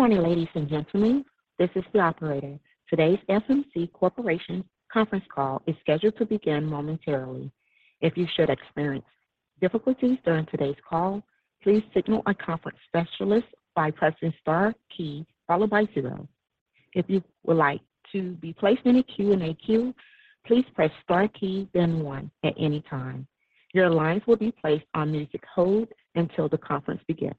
Good morning, ladies and gentlemen. This is the operator. Today's FMC Corporation Conference Call is scheduled to begin momentarily. If you should experience difficulties during today's call, please signal our conference specialist by pressing star key followed by zero. If you would like to be placed in a Q&A queue, please press star key then one at any time. Your lines will be placed on music hold until the conference begins.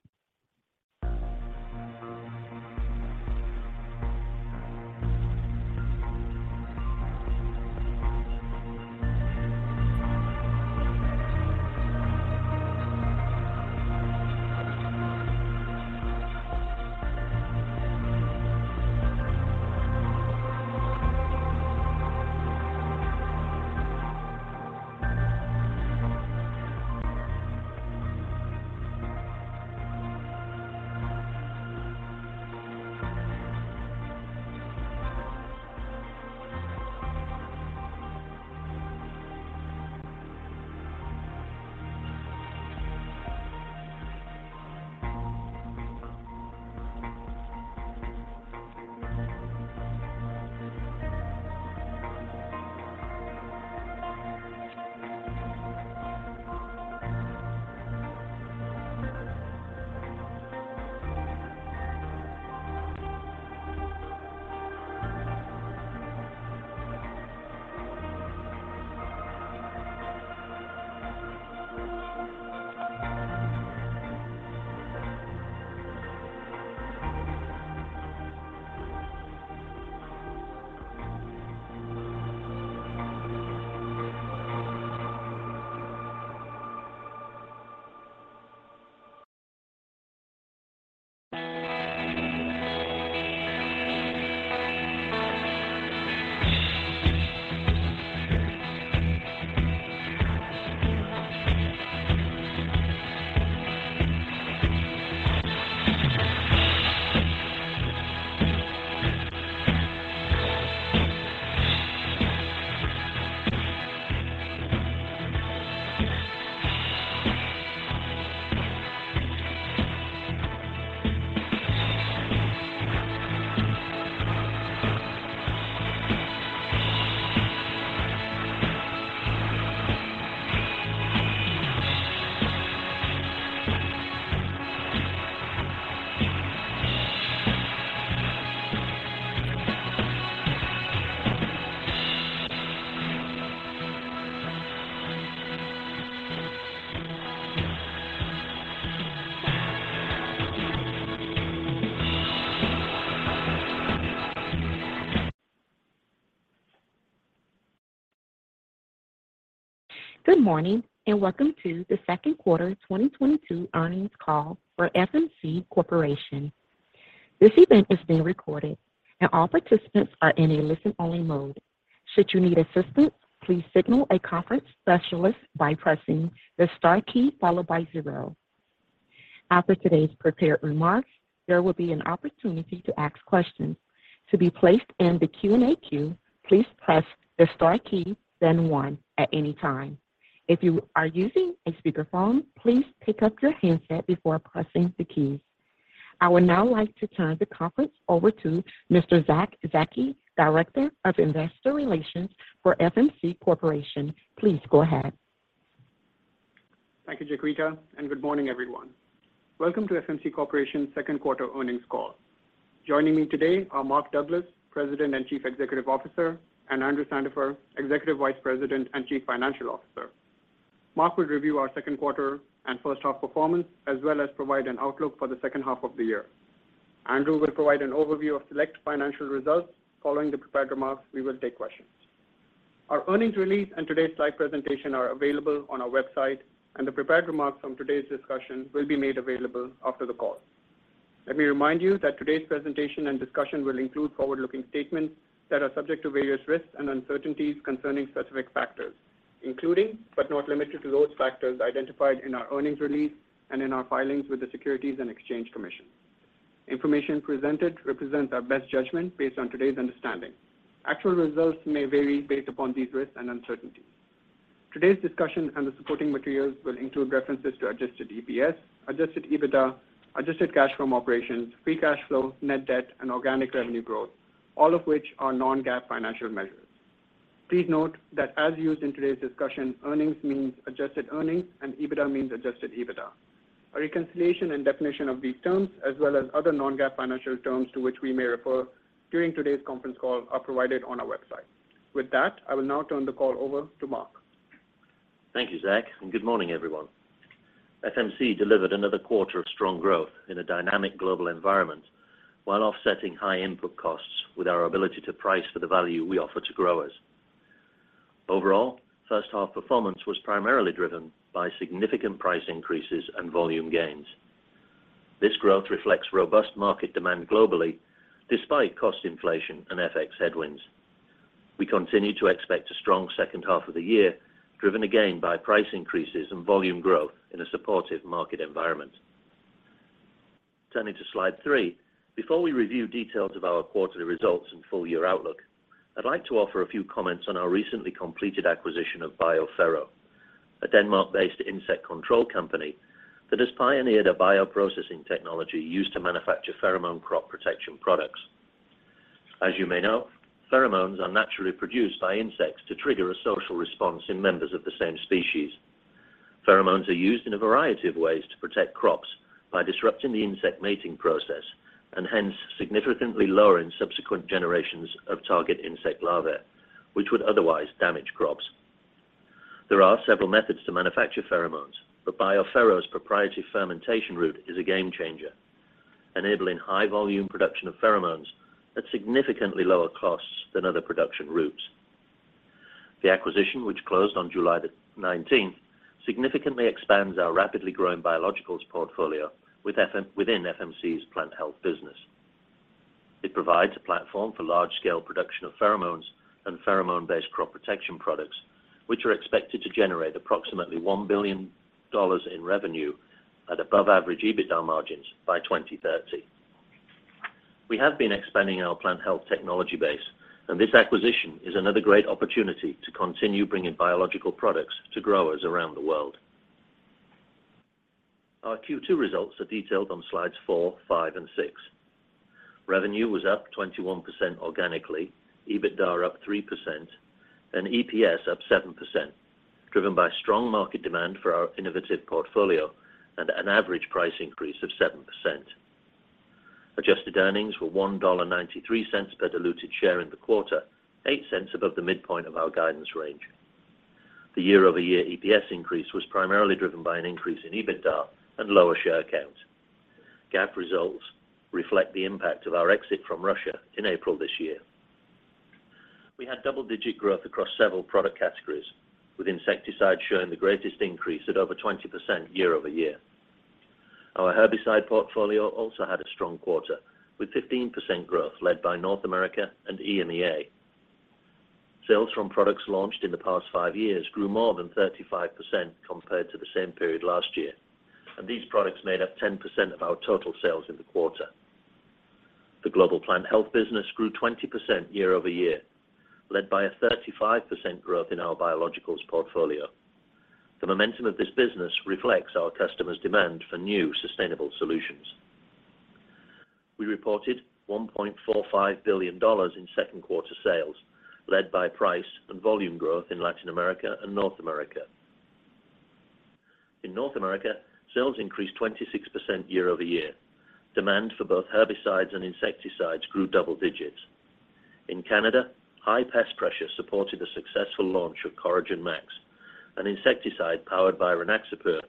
Good morning and welcome to the second quarter 2022 Earnings Call for FMC Corporation. This event is being recorded and all participants are in a listen-only mode. Should you need assistance, please signal a conference specialist by pressing the star key followed by zero. After today's prepared remarks, there will be an opportunity to ask questions. To be placed in the Q&A queue, please press the star key then one at any time. If you are using a speakerphone, please pick up your handset before pressing the keys. I would now like to turn the conference over to Mr. Zack Zaki, Director of Investor Relations for FMC Corporation. Please go ahead. Thank you, Jagrita, and good morning, everyone. Welcome to FMC Corporation's second quarter earnings call. Joining me today are Mark Douglas, President and Chief Executive Officer, and Andrew Sandifer, Executive Vice President and Chief Financial Officer. Mark will review our second quarter and first half performance, as well as provide an outlook for the second half of the year. Andrew will provide an overview of select financial results. Following the prepared remarks, we will take questions. Our earnings release and today's slide presentation are available on our website, and the prepared remarks from today's discussion will be made available after the call. Let me remind you that today's presentation and discussion will include forward-looking statements that are subject to various risks and uncertainties concerning specific factors, including, but not limited to, those factors identified in our earnings release and in our filings with the Securities and Exchange Commission. Information presented represents our best judgment based on today's understanding. Actual results may vary based upon these risks and uncertainties. Today's discussion and the supporting materials will include references to adjusted EPS, adjusted EBITDA, adjusted cash from operations, free cash flow, net debt, and organic revenue growth, all of which are non-GAAP financial measures. Please note that as used in today's discussion, earnings means adjusted earnings and EBITDA means adjusted EBITDA. A reconciliation and definition of these terms, as well as other non-GAAP financial terms to which we may refer during today's conference call, are provided on our website. With that, I will now turn the call over to Mark. Thank you, Zack, and good morning, everyone. FMC delivered another quarter of strong growth in a dynamic global environment while offsetting high input costs with our ability to price for the value we offer to growers. Overall, first half performance was primarily driven by significant price increases and volume gains. This growth reflects robust market demand globally despite cost inflation and FX headwinds. We continue to expect a strong second half of the year, driven again by price increases and volume growth in a supportive market environment. Turning to slide three. Before we review details of our quarterly results and full year outlook, I'd like to offer a few comments on our recently completed acquisition of BioPhero. A Denmark-based insect control company that has pioneered a bioprocessing technology used to manufacture pheromone crop protection products. As you may know, pheromones are naturally produced by insects to trigger a social response in members of the same species. Pheromones are used in a variety of ways to protect crops by disrupting the insect mating process and hence significantly lowering subsequent generations of target insect larvae, which would otherwise damage crops. There are several methods to manufacture pheromones, but BioPhero's proprietary fermentation route is a game changer, enabling high volume production of pheromones at significantly lower costs than other production routes. The acquisition, which closed on July 19th, significantly expands our rapidly growing biologicals portfolio within FMC's plant health business. It provides a platform for large-scale production of pheromones and pheromone-based crop protection products, which are expected to generate approximately $1 billion in revenue at above average EBITDA margins by 2030. We have been expanding our plant health technology base, and this acquisition is another great opportunity to continue bringing biological products to growers around the world. Our Q2 results are detailed on slides four, five and six. Revenue was up 21% organically, EBITDA up 3%, and EPS up 7%, driven by strong market demand for our innovative portfolio and an average price increase of 7%. Adjusted earnings were $1.93 per diluted share in the quarter, $0.08 above the midpoint of our guidance range. The year-over-year EPS increase was primarily driven by an increase in EBITDA and lower share count. GAAP results reflect the impact of our exit from Russia in April this year. We had double-digit growth across several product categories, with insecticides showing the greatest increase at over 20% year-over-year. Our herbicide portfolio also had a strong quarter, with 15% growth led by North America and EMEA. Sales from products launched in the past five years grew more than 35% compared to the same period last year, and these products made up 10% of our total sales in the quarter. The global plant health business grew 20% year-over-year, led by a 35% growth in our biologicals portfolio. The momentum of this business reflects our customers' demand for new sustainable solutions. We reported $1.45 billion in second quarter sales, led by price and volume growth in Latin America and North America. In North America, sales increased 26% year-over-year. Demand for both herbicides and insecticides grew double digits. In Canada, high pest pressure supported the successful launch of Coragen MaX, an insecticide powered by Rynaxypyr,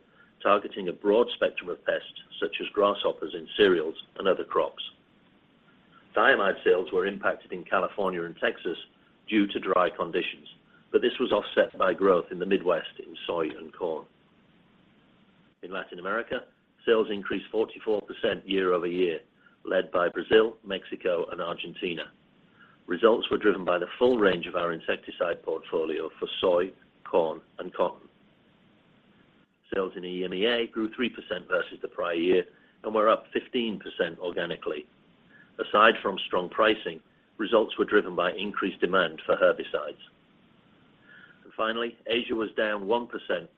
targeting a broad spectrum of pests such as grasshoppers in cereals and other crops. Diamide sales were impacted in California and Texas due to dry conditions, but this was offset by growth in the Midwest in soy and corn. In Latin America, sales increased 44% year-over-year, led by Brazil, Mexico, and Argentina. Results were driven by the full range of our insecticide portfolio for soy, corn, and cotton. Sales in EMEA grew 3% versus the prior year and were up 15% organically. Aside from strong pricing, results were driven by increased demand for herbicides. Finally, Asia was down 1%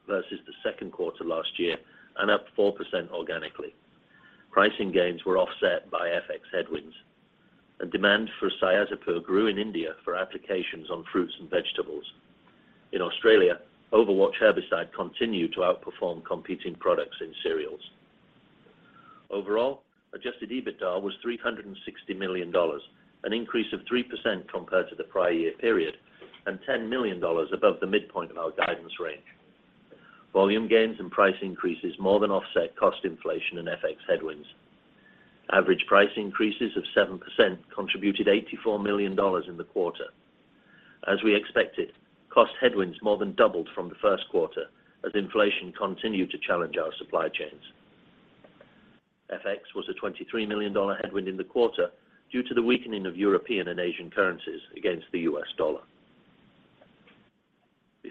versus the second quarter last year and up 4% organically. Pricing gains were offset by FX headwinds, and demand for Cyazypyr grew in India for applications on fruits and vegetables. In Australia, Overwatch herbicide continued to outperform competing products in cereals. Overall, Adjusted EBITDA was $360 million, an increase of 3% compared to the prior year period and $10 million above the midpoint of our guidance range. Volume gains and price increases more than offset cost inflation and FX headwinds. Average price increases of 7% contributed $84 million in the quarter. As we expected, cost headwinds more than doubled from the first quarter as inflation continued to challenge our supply chains. FX was a $23 million headwind in the quarter due to the weakening of European and Asian currencies against the US dollar.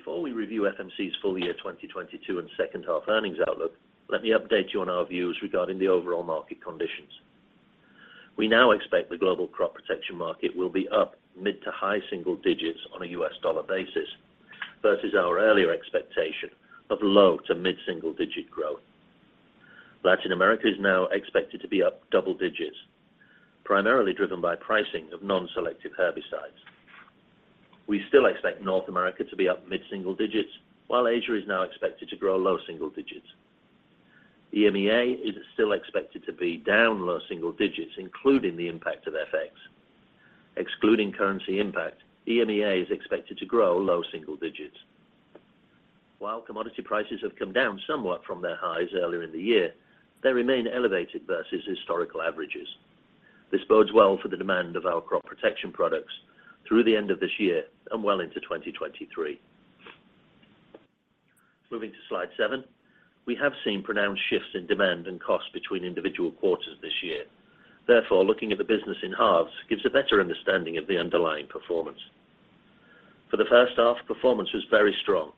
Before we review FMC's full year 2022 and second half earnings outlook, let me update you on our views regarding the overall market conditions. We now expect the global crop protection market will be up mid- to high-single digits on a U.S. dollar basis versus our earlier expectation of low- to mid-single-digit growth. Latin America is now expected to be up double digits, primarily driven by pricing of non-selective herbicides. We still expect North America to be up mid-single digits, while Asia is now expected to grow low-single digits. EMEA is still expected to be down low-single digits, including the impact of FX. Excluding currency impact, EMEA is expected to grow low-single digits. While commodity prices have come down somewhat from their highs earlier in the year, they remain elevated versus historical averages. This bodes well for the demand of our crop protection products through the end of this year and well into 2023. Moving to slide seven. We have seen pronounced shifts in demand and cost between individual quarters this year. Therefore, looking at the business in halves gives a better understanding of the underlying performance. For the first half, performance was very strong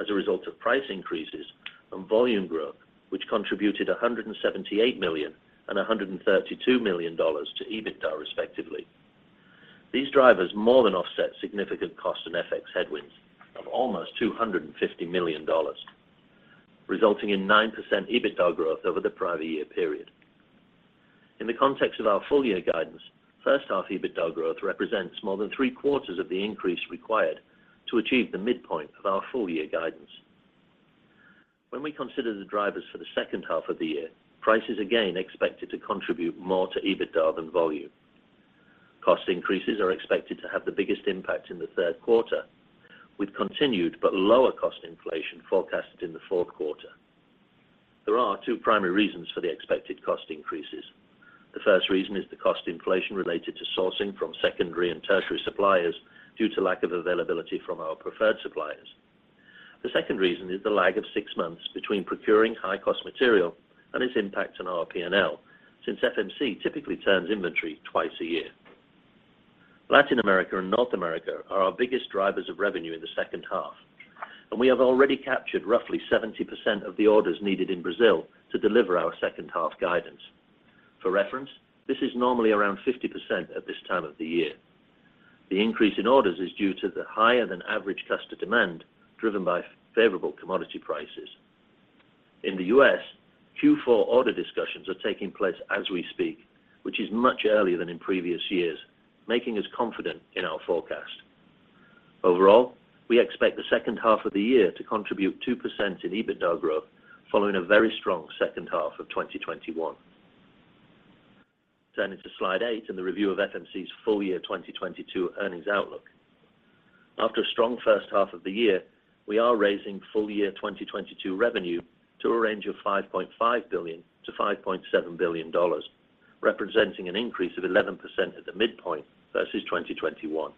as a result of price increases and volume growth, which contributed $178 million and $132 million to EBITDA, respectively. These drivers more than offset significant cost and FX headwinds of almost $250 million, resulting in 9% EBITDA growth over the prior year period. In the context of our full year guidance, first half EBITDA growth represents more than three-quarters of the increase required to achieve the midpoint of our full year guidance. When we consider the drivers for the second half of the year, price is again expected to contribute more to EBITDA than volume. Cost increases are expected to have the biggest impact in the third quarter, with continued but lower cost inflation forecasted in the fourth quarter. There are two primary reasons for the expected cost increases. The first reason is the cost inflation related to sourcing from secondary and tertiary suppliers due to lack of availability from our preferred suppliers. The second reason is the lag of six months between procuring high-cost material and its impact on our P&L since FMC typically turns inventory twice a year. Latin America and North America are our biggest drivers of revenue in the second half, and we have already captured roughly 70% of the orders needed in Brazil to deliver our second half guidance. For reference, this is normally around 50% at this time of the year. The increase in orders is due to the higher than average customer demand driven by favorable commodity prices. In the U.S., Q4 order discussions are taking place as we speak, which is much earlier than in previous years, making us confident in our forecast. Overall, we expect the second half of the year to contribute 2% in EBITDA growth, following a very strong second half of 2021. Turning to slide eight and the review of FMC's full year 2022 earnings outlook. After a strong first half of the year, we are raising full year 2022 revenue to a range of $5.5 billion-$5.7 billion, representing an increase of 11% at the midpoint versus 2021.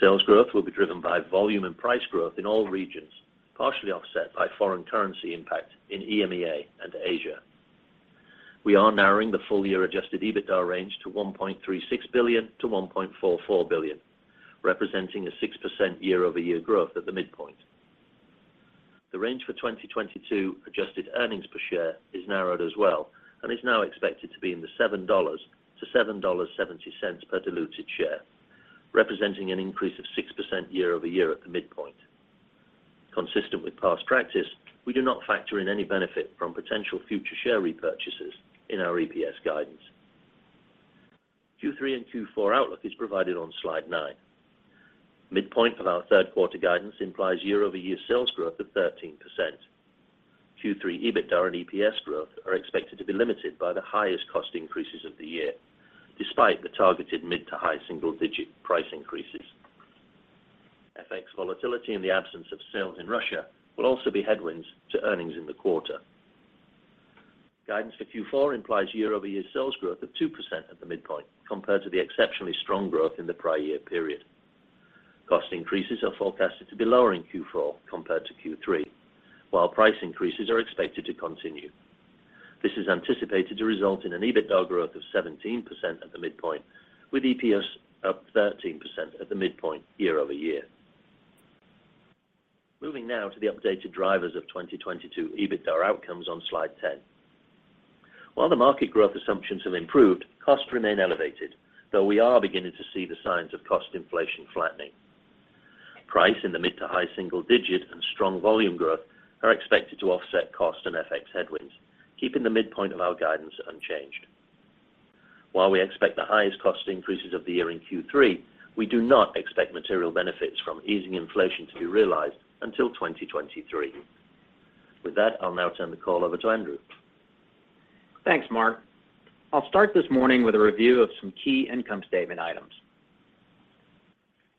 Sales growth will be driven by volume and price growth in all regions, partially offset by foreign currency impact in EMEA and Asia. We are narrowing the full-year adjusted EBITDA range to $1.36 billion-$1.44 billion, representing a 6% year-over-year growth at the midpoint. The range for 2022 adjusted earnings per share is narrowed as well, and is now expected to be in the $7-$7.70 per diluted share, representing an increase of 6% year-over-year at the midpoint. Consistent with past practice, we do not factor in any benefit from potential future share repurchases in our EPS guidance. Q3 and Q4 outlook is provided on slide nine. Midpoint of our third quarter guidance implies year-over-year sales growth of 13%. Q3 EBITDA and EPS growth are expected to be limited by the highest cost increases of the year, despite the targeted mid- to high-single-digit price increases. FX volatility in the absence of sales in Russia will also be headwinds to earnings in the quarter. Guidance for Q4 implies year-over-year sales growth of 2% at the midpoint compared to the exceptionally strong growth in the prior year period. Cost increases are forecasted to be lower in Q4 compared to Q3, while price increases are expected to continue. This is anticipated to result in an EBITDA growth of 17% at the midpoint, with EPS up 13% at the midpoint year-over-year. Moving now to the updated drivers of 2022 EBITDA outcomes on slide 10. While the market growth assumptions have improved, costs remain elevated, though we are beginning to see the signs of cost inflation flattening. Pricing in the mid- to high-single-digit and strong volume growth are expected to offset cost and FX headwinds, keeping the midpoint of our guidance unchanged. While we expect the highest cost increases of the year in Q3, we do not expect material benefits from easing inflation to be realized until 2023. With that, I'll now turn the call over to Andrew. Thanks, Mark. I'll start this morning with a review of some key income statement items.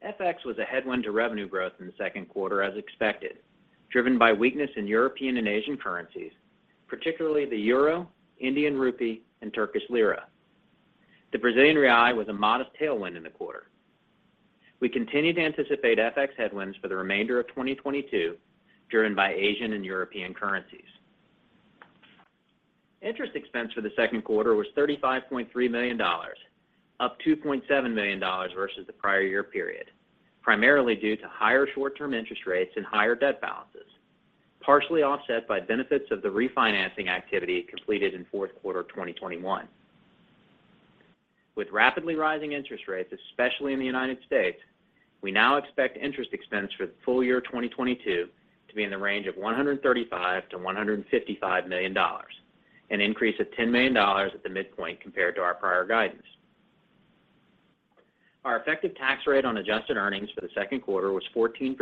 FX was a headwind to revenue growth in the second quarter as expected, driven by weakness in European and Asian currencies, particularly the euro, Indian rupee, and Turkish lira. The Brazilian real was a modest tailwind in the quarter. We continue to anticipate FX headwinds for the remainder of 2022, driven by Asian and European currencies. Interest expense for the second quarter was $35.3 million, up $2.7 million versus the prior year period, primarily due to higher short-term interest rates and higher debt balances, partially offset by benefits of the refinancing activity completed in fourth quarter of 2021. With rapidly rising interest rates, especially in the United States, we now expect interest expense for the full year of 2022 to be in the range of $135 million-$155 million, an increase of $10 million at the midpoint compared to our prior guidance. Our effective tax rate on adjusted earnings for the second quarter was 14%,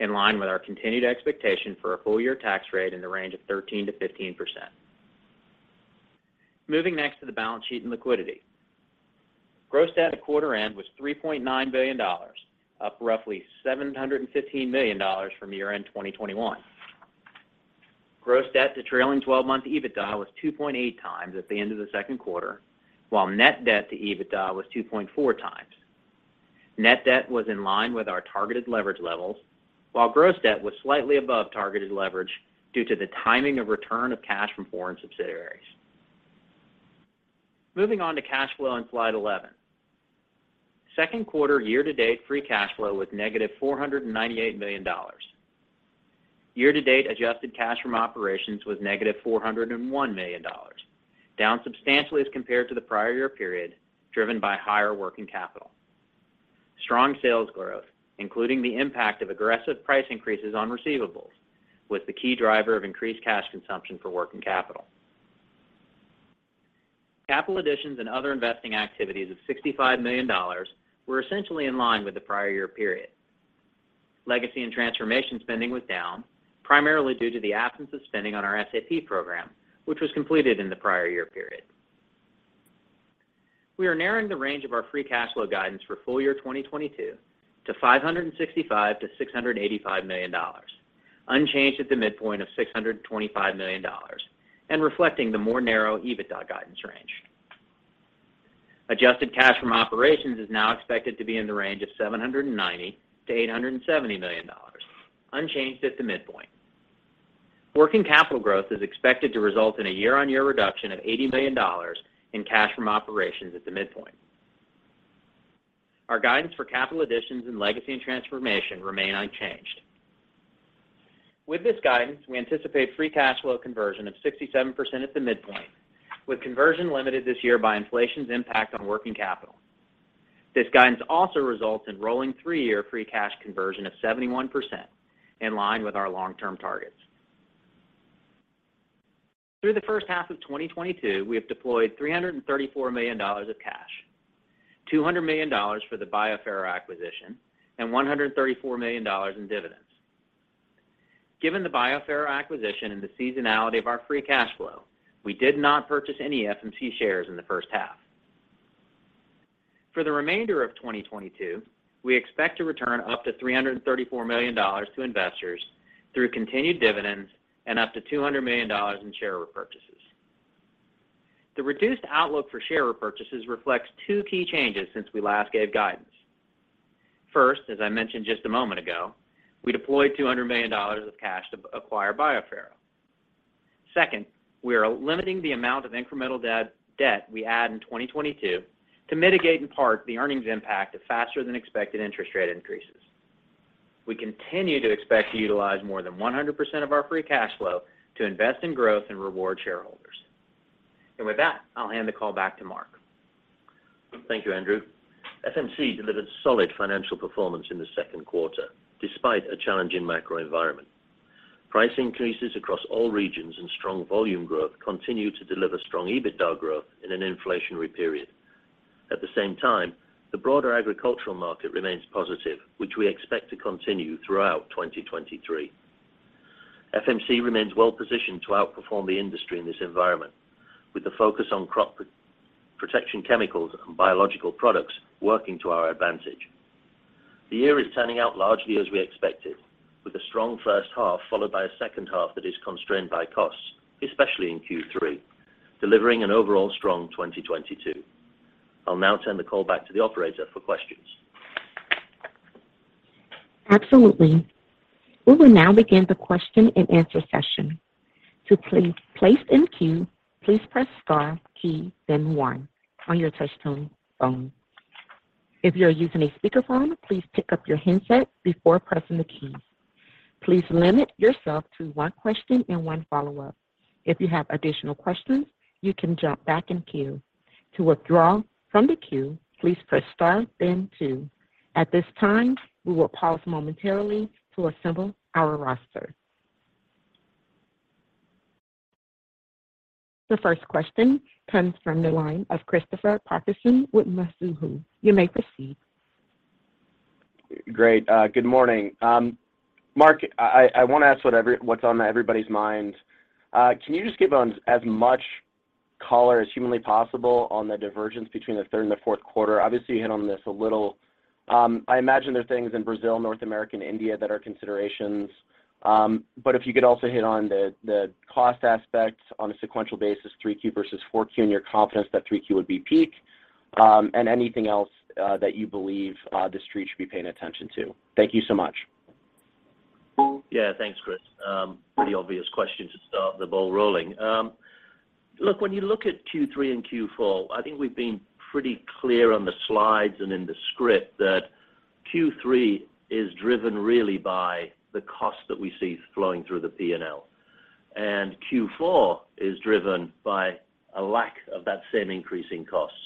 in line with our continued expectation for a full year tax rate in the range of 13%-15%. Moving next to the balance sheet and liquidity. Gross debt at quarter end was $3.9 billion, up roughly $715 million from year-end 2021. Gross debt to trailing twelve-month EBITDA was 2.8 times at the end of the second quarter, while net debt to EBITDA was 2.4 times. Net Debt was in line with our targeted leverage levels, while gross debt was slightly above targeted leverage due to the timing of return of cash from foreign subsidiaries. Moving on to cash flow on slide 11. Second quarter year-to-date Free Cash Flow was -$498 million. Year-to-date Adjusted Cash Flow from Operations was -$401 million, down substantially as compared to the prior year period, driven by higher working capital. Strong sales growth, including the impact of aggressive price increases on receivables, was the key driver of increased cash consumption for working capital. Capital additions and other investing activities of $65 million were essentially in line with the prior year period. Legacy and transformation spending was down, primarily due to the absence of spending on our SAP program, which was completed in the prior year period. We are narrowing the range of our free cash flow guidance for full year 2022 to $565 million-$685 million, unchanged at the midpoint of $625 million and reflecting the more narrow EBITDA guidance range. Adjusted cash from operations is now expected to be in the range of $790 million-$870 million, unchanged at the midpoint. Working capital growth is expected to result in a year-on-year reduction of $80 million in cash from operations at the midpoint. Our guidance for capital additions and legacy and transformation remain unchanged. With this guidance, we anticipate free cash flow conversion of 67% at the midpoint, with conversion limited this year by inflation's impact on working capital. This guidance also results in rolling 3-year free cash conversion of 71%, in line with our long-term targets. Through the first half of 2022, we have deployed $334 million of cash, $200 million for the BioPhero acquisition, and $134 million in dividends. Given the BioPhero acquisition and the seasonality of our free cash flow, we did not purchase any FMC shares in the first half. For the remainder of 2022, we expect to return up to $334 million to investors through continued dividends and up to $200 million in share repurchases. The reduced outlook for share repurchases reflects two key changes since we last gave guidance. First, as I mentioned just a moment ago, we deployed $200 million of cash to acquire BioPhero. Second, we are limiting the amount of incremental debt we add in 2022 to mitigate in part the earnings impact of faster than expected interest rate increases. We continue to expect to utilize more than 100% of our free cash flow to invest in growth and reward shareholders. With that, I'll hand the call back to Mark. Thank you, Andrew. FMC delivered solid financial performance in the second quarter despite a challenging macro environment. Price increases across all regions and strong volume growth continue to deliver strong EBITDA growth in an inflationary period. At the same time, the broader agricultural market remains positive, which we expect to continue throughout 2023. FMC remains well-positioned to outperform the industry in this environment, with the focus on crop protection chemicals and biological products working to our advantage. The year is turning out largely as we expected, with a strong first half followed by a second half that is constrained by costs, especially in Q3, delivering an overall strong 2022. I'll now turn the call back to the operator for questions. Absolutely. We will now begin the question and answer session. To place in queue, please press star key then one on your touch tone phone. If you're using a speakerphone, please pick up your handset before pressing the keys. Please limit yourself to one question and one follow-up. If you have additional questions, you can jump back in queue. To withdraw from the queue, please press star then two. At this time, we will pause momentarily to assemble our roster. The first question comes from the line of Christopher Parkinson with Mizuho. You may proceed. Great. Good morning. Mark, I want to ask what's on everybody's mind. Can you just give us as much color as humanly possible on the divergence between the third and the fourth quarter? Obviously, you hit on this a little. I imagine there are things in Brazil, North America, and India that are considerations. If you could also hit on the cost aspect on a sequential basis, 3Q versus 4Q, and your confidence that 3Q would be peak, and anything else that you believe the street should be paying attention to. Thank you so much. Yeah, thanks, Chris. Pretty obvious question to start the ball rolling. Look, when you look at Q3 and Q4, I think we've been pretty clear on the slides and in the script that Q3 is driven really by the cost that we see flowing through the P&L. Q4 is driven by a lack of that same increase in costs.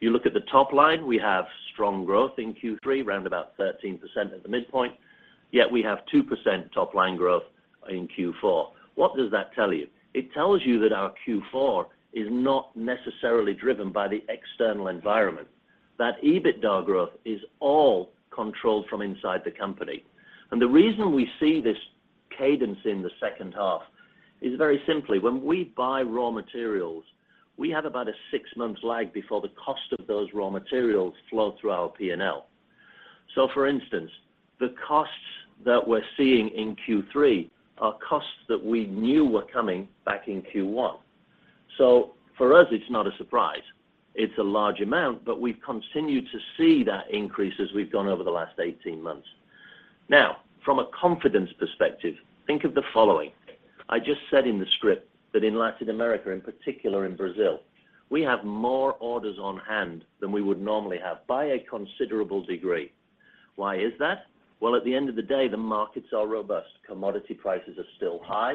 You look at the top line, we have strong growth in Q3, around about 13% at the midpoint, yet we have 2% top line growth in Q4. What does that tell you? It tells you that our Q4 is not necessarily driven by the external environment. That EBITDA growth is all controlled from inside the company. The reason we see this cadence in the second half is very simply when we buy raw materials, we have about a 6-month lag before the cost of those raw materials flow through our P&L. For instance, the costs that we're seeing in Q3 are costs that we knew were coming back in Q1. For us, it's not a surprise. It's a large amount, but we've continued to see that increase as we've gone over the last 18 months. Now, from a confidence perspective, think of the following. I just said in the script that in Latin America, in particular in Brazil, we have more orders on hand than we would normally have by a considerable degree. Why is that? Well, at the end of the day, the markets are robust. Commodity prices are still high.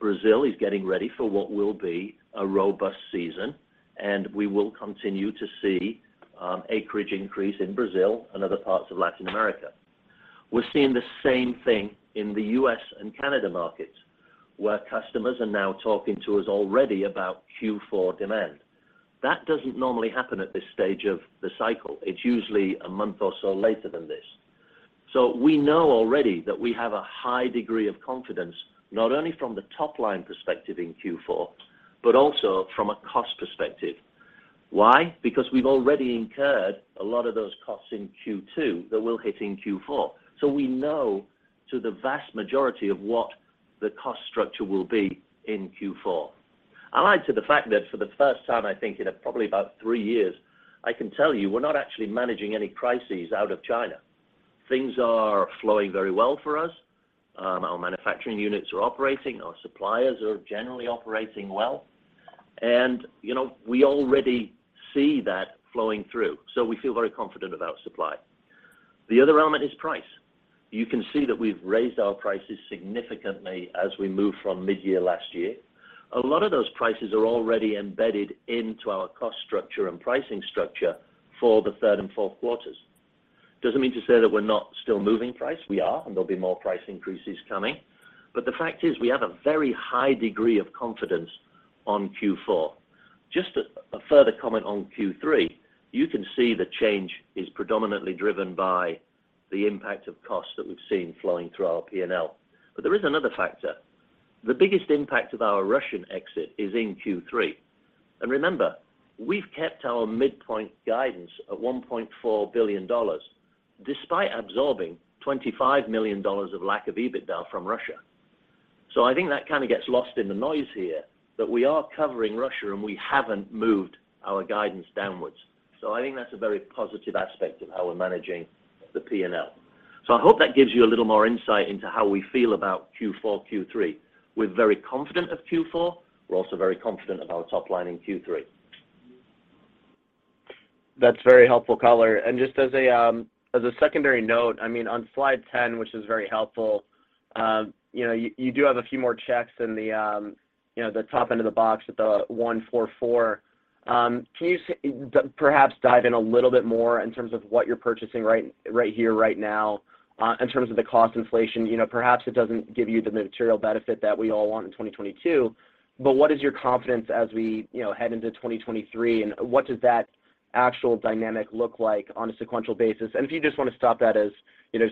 Brazil is getting ready for what will be a robust season, and we will continue to see acreage increase in Brazil and other parts of Latin America. We're seeing the same thing in the US and Canada markets, where customers are now talking to us already about Q4 demand. That doesn't normally happen at this stage of the cycle. It's usually a month or so later than this. We know already that we have a high degree of confidence, not only from the top-line perspective in Q4, but also from a cost perspective. Why? Because we've already incurred a lot of those costs in Q2 that will hit in Q4. We know the vast majority of what the cost structure will be in Q4. I'll lead with the fact that for the first time, I think in probably about three years, I can tell you we're not actually managing any crises out of China. Things are flowing very well for us. Our manufacturing units are operating. Our suppliers are generally operating well. You know, we already see that flowing through. We feel very confident about supply. The other element is price. You can see that we've raised our prices significantly as we move from mid-year last year. A lot of those prices are already embedded into our cost structure and pricing structure for the third and fourth quarters. Doesn't mean to say that we're not still moving price. We are, and there'll be more price increases coming. The fact is we have a very high degree of confidence on Q4. Just a further comment on Q3, you can see the change is predominantly driven by the impact of costs that we've seen flowing through our P&L. There is another factor. The biggest impact of our Russian exit is in Q3. Remember, we've kept our midpoint guidance at $1.4 billion despite absorbing $25 million of lack of EBITDA from Russia. I think that kind of gets lost in the noise here, that we are covering Russia and we haven't moved our guidance downwards. I think that's a very positive aspect of how we're managing the P&L. I hope that gives you a little more insight into how we feel about Q4, Q3. We're very confident of Q4. We're also very confident of our top line in Q3. That's very helpful color. Just as a secondary note, I mean, on slide 10, which is very helpful, you know, you do have a few more checks in the, you know, the top end of the box at the 144. Can you perhaps dive in a little bit more in terms of what you're purchasing right here, right now, in terms of the cost inflation? You know, perhaps it doesn't give you the material benefit that we all want in 2022, but what is your confidence as we, you know, head into 2023, and what does that actual dynamic look like on a sequential basis? If you just want to stop there as, you know,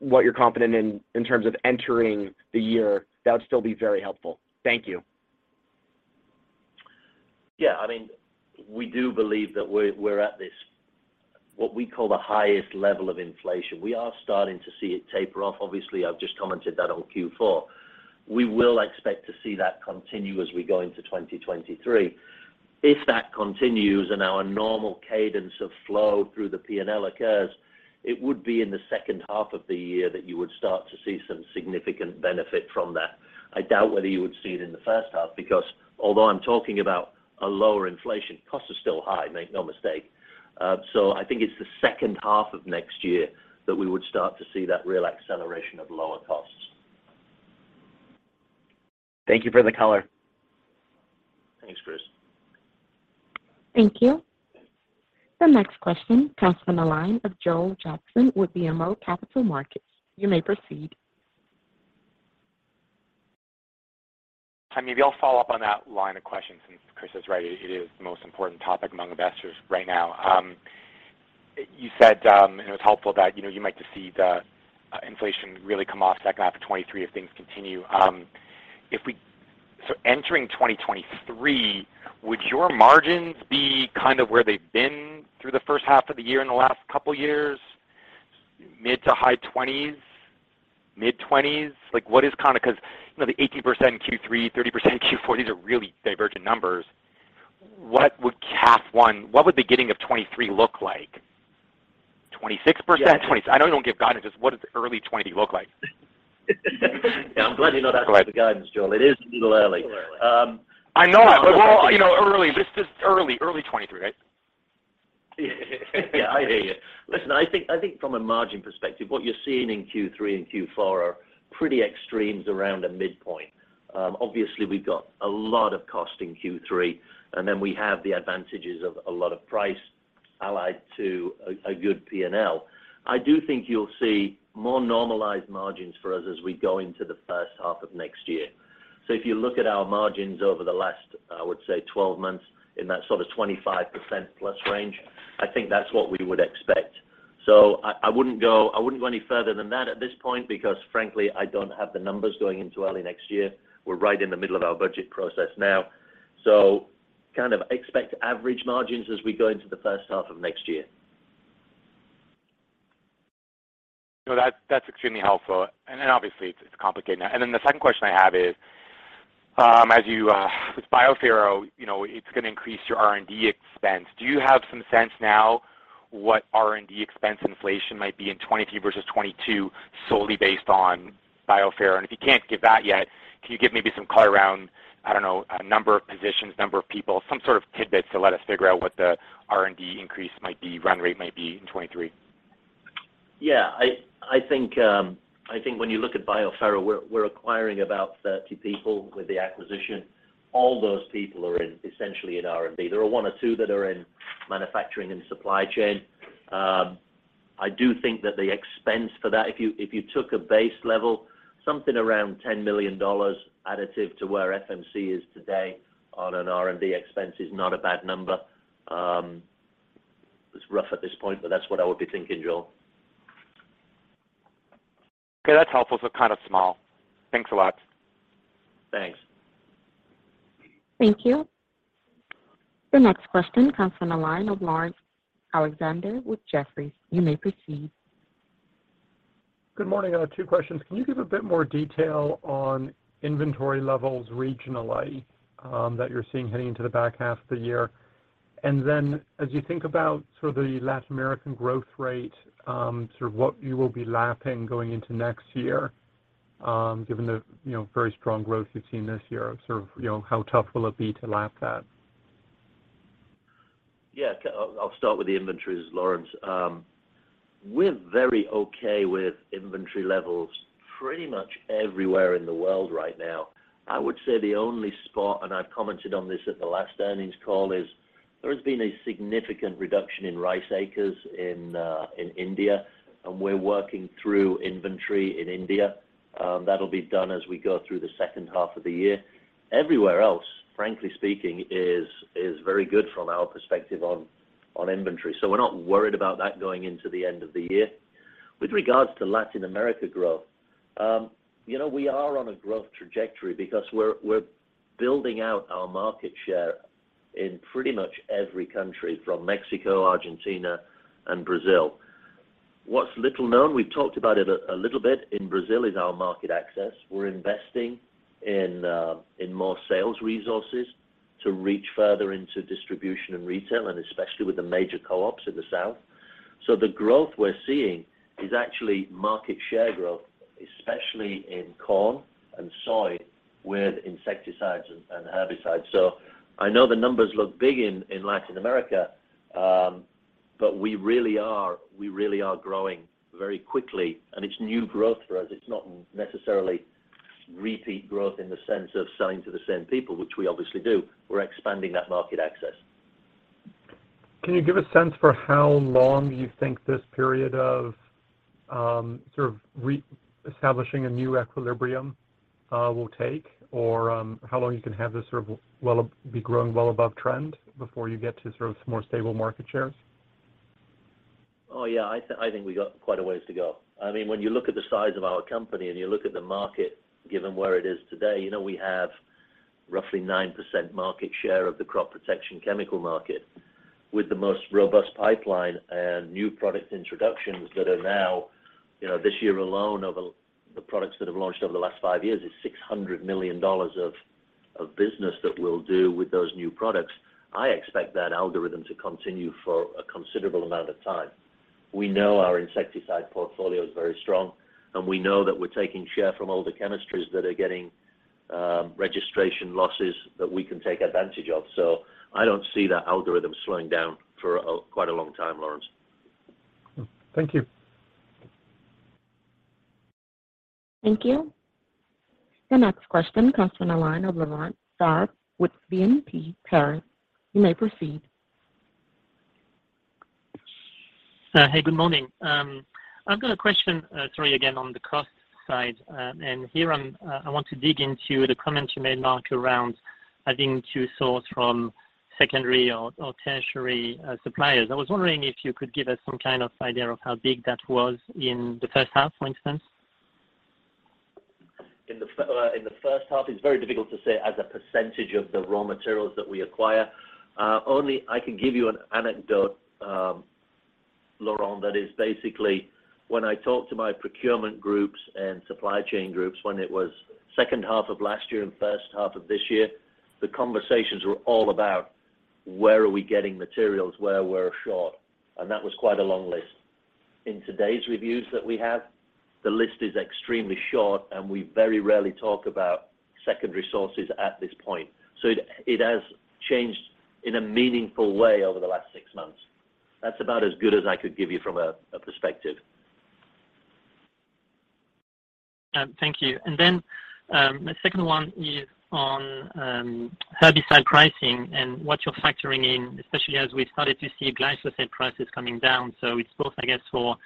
what you're confident in terms of entering the year, that would still be very helpful. Thank you. Yeah. I mean, we do believe that we're at this, what we call the highest level of inflation. We are starting to see it taper off. Obviously, I've just commented that on Q4. We will expect to see that continue as we go into 2023. If that continues and our normal cadence of flow through the P&L occurs, it would be in the second half of the year that you would start to see some significant benefit from that. I doubt whether you would see it in the first half because although I'm talking about a lower inflation, cost is still high, make no mistake. I think it's the second half of next year that we would start to see that real acceleration of lower costs. Thank you for the color. Thanks, Chris. Thank you. The next question comes from the line of Joel Jackson with BMO Capital Markets. You may proceed. Hi. Maybe I'll follow up on that line of questions, since Chris is right. It is the most important topic among investors right now. You said, and it was helpful that, you know, you might just see the, inflation really come off second half of 2023 if things continue. Entering 2023, would your margins be kind of where they've been through the first half of the year in the last couple of years, mid- to high 20s%, mid-20s%? Like, 'Cause, you know, the 18% Q3, 30% Q4, these are really divergent numbers. What would the beginning of 2023 look like? 26%? Yeah. I know you don't give guidance. Just what does early 2020 look like? Yeah. I'm glad you're not asking for guidance, Joel. It is a little early. I know. Well, you know, early. This is early 2023, right? Yeah. I hear you. Listen, I think from a margin perspective, what you're seeing in Q3 and Q4 are pretty extremes around a midpoint. Obviously we've got a lot of cost in Q3, and then we have the advantages of a lot of price aligned to a good P&L. I do think you'll see more normalized margins for us as we go into the first half of next year. If you look at our margins over the last, I would say 12 months in that sort of 25% plus range, I think that's what we would expect. I wouldn't go any further than that at this point because frankly I don't have the numbers going into early next year. We're right in the middle of our budget process now. Kind of expect average margins as we go into the first half of next year. No. That's extremely helpful. Obviously it's complicated now. The second question I have is- As you with BioPhero, you know, it's gonna increase your R&D expense. Do you have some sense now what R&D expense inflation might be in 2023 versus 2022 solely based on BioPhero? If you can't give that yet, can you give maybe some color around, I don't know, a number of positions, number of people, some sort of tidbit to let us figure out what the R&D increase might be, run rate might be in 2023? Yeah. I think when you look at BioPhero, we're acquiring about 30 people with the acquisition. All those people are in, essentially in R&D. There are one or two that are in manufacturing and supply chain. I do think that the expense for that, if you took a base level, something around $10 million additive to where FMC is today on an R&D expense is not a bad number. It's rough at this point, but that's what I would be thinking, Joel. Okay, that's helpful. Kind of small. Thanks a lot. Thanks. Thank you. The next question comes from the line of Laurence Alexander with Jefferies. You may proceed. Good morning. I have two questions. Can you give a bit more detail on inventory levels regionally, that you're seeing heading into the back half of the year? As you think about sort of the Latin American growth rate, sort of what you will be lapping going into next year, given the, you know, very strong growth you've seen this year, sort of, you know, how tough will it be to lap that? I'll start with the inventories, Laurence. We're very okay with inventory levels pretty much everywhere in the world right now. I would say the only spot, and I've commented on this at the last earnings call, is there has been a significant reduction in rice acres in India, and we're working through inventory in India. That'll be done as we go through the second half of the year. Everywhere else, frankly speaking, is very good from our perspective on inventory. So we're not worried about that going into the end of the year. With regards to Latin America growth, you know, we are on a growth trajectory because we're building out our market share in pretty much every country from Mexico, Argentina, and Brazil. What's little known, we've talked about it a little bit in Brazil, is our market access. We're investing in more sales resources to reach further into distribution and retail, and especially with the major co-ops in the south. The growth we're seeing is actually market share growth, especially in corn and soy with insecticides and herbicides. I know the numbers look big in Latin America, but we really are growing very quickly, and it's new growth for us. It's not necessarily repeat growth in the sense of selling to the same people, which we obviously do. We're expanding that market access. Can you give a sense for how long you think this period of sort of establishing a new equilibrium will take? Or, how long you can have this sort of we'll be growing well above trend before you get to sort of some more stable market shares? Oh, yeah. I think we got quite a ways to go. I mean, when you look at the size of our company and you look at the market, given where it is today, you know, we have roughly 9% market share of the crop protection chemical market with the most robust pipeline and new product introductions that are now, you know, this year alone the products that have launched over the last five years is $600 million of business that we'll do with those new products. I expect that algorithm to continue for a considerable amount of time. We know our insecticide portfolio is very strong, and we know that we're taking share from all the chemistries that are getting registration losses that we can take advantage of. I don't see that algorithm slowing down for quite a long time, Laurence. Thank you. Thank you. The next question comes from the line of Laurent Favre with BNP Paribas. You may proceed. Hey, good morning. I've got a question, sorry, again, on the cost side. Here I'm I want to dig into the comments you made, Mark, around having to source from secondary or tertiary suppliers. I was wondering if you could give us some kind of idea of how big that was in the first half, for instance. In the first half, it's very difficult to say as a percentage of the raw materials that we acquire. Only I can give you an anecdote, Laurent, that is basically when I talk to my procurement groups and supply chain groups, when it was second half of last year and first half of this year, the conversations were all about where are we getting materials, where we're short, and that was quite a long list. In today's reviews that we have, the list is extremely short, and we very rarely talk about secondary sources at this point. It has changed in a meaningful way over the last six months. That's about as good as I could give you from a perspective. Thank you. My second one is on herbicide pricing and what you're factoring in, especially as we've started to see glyphosate prices coming down. It's both, I guess, for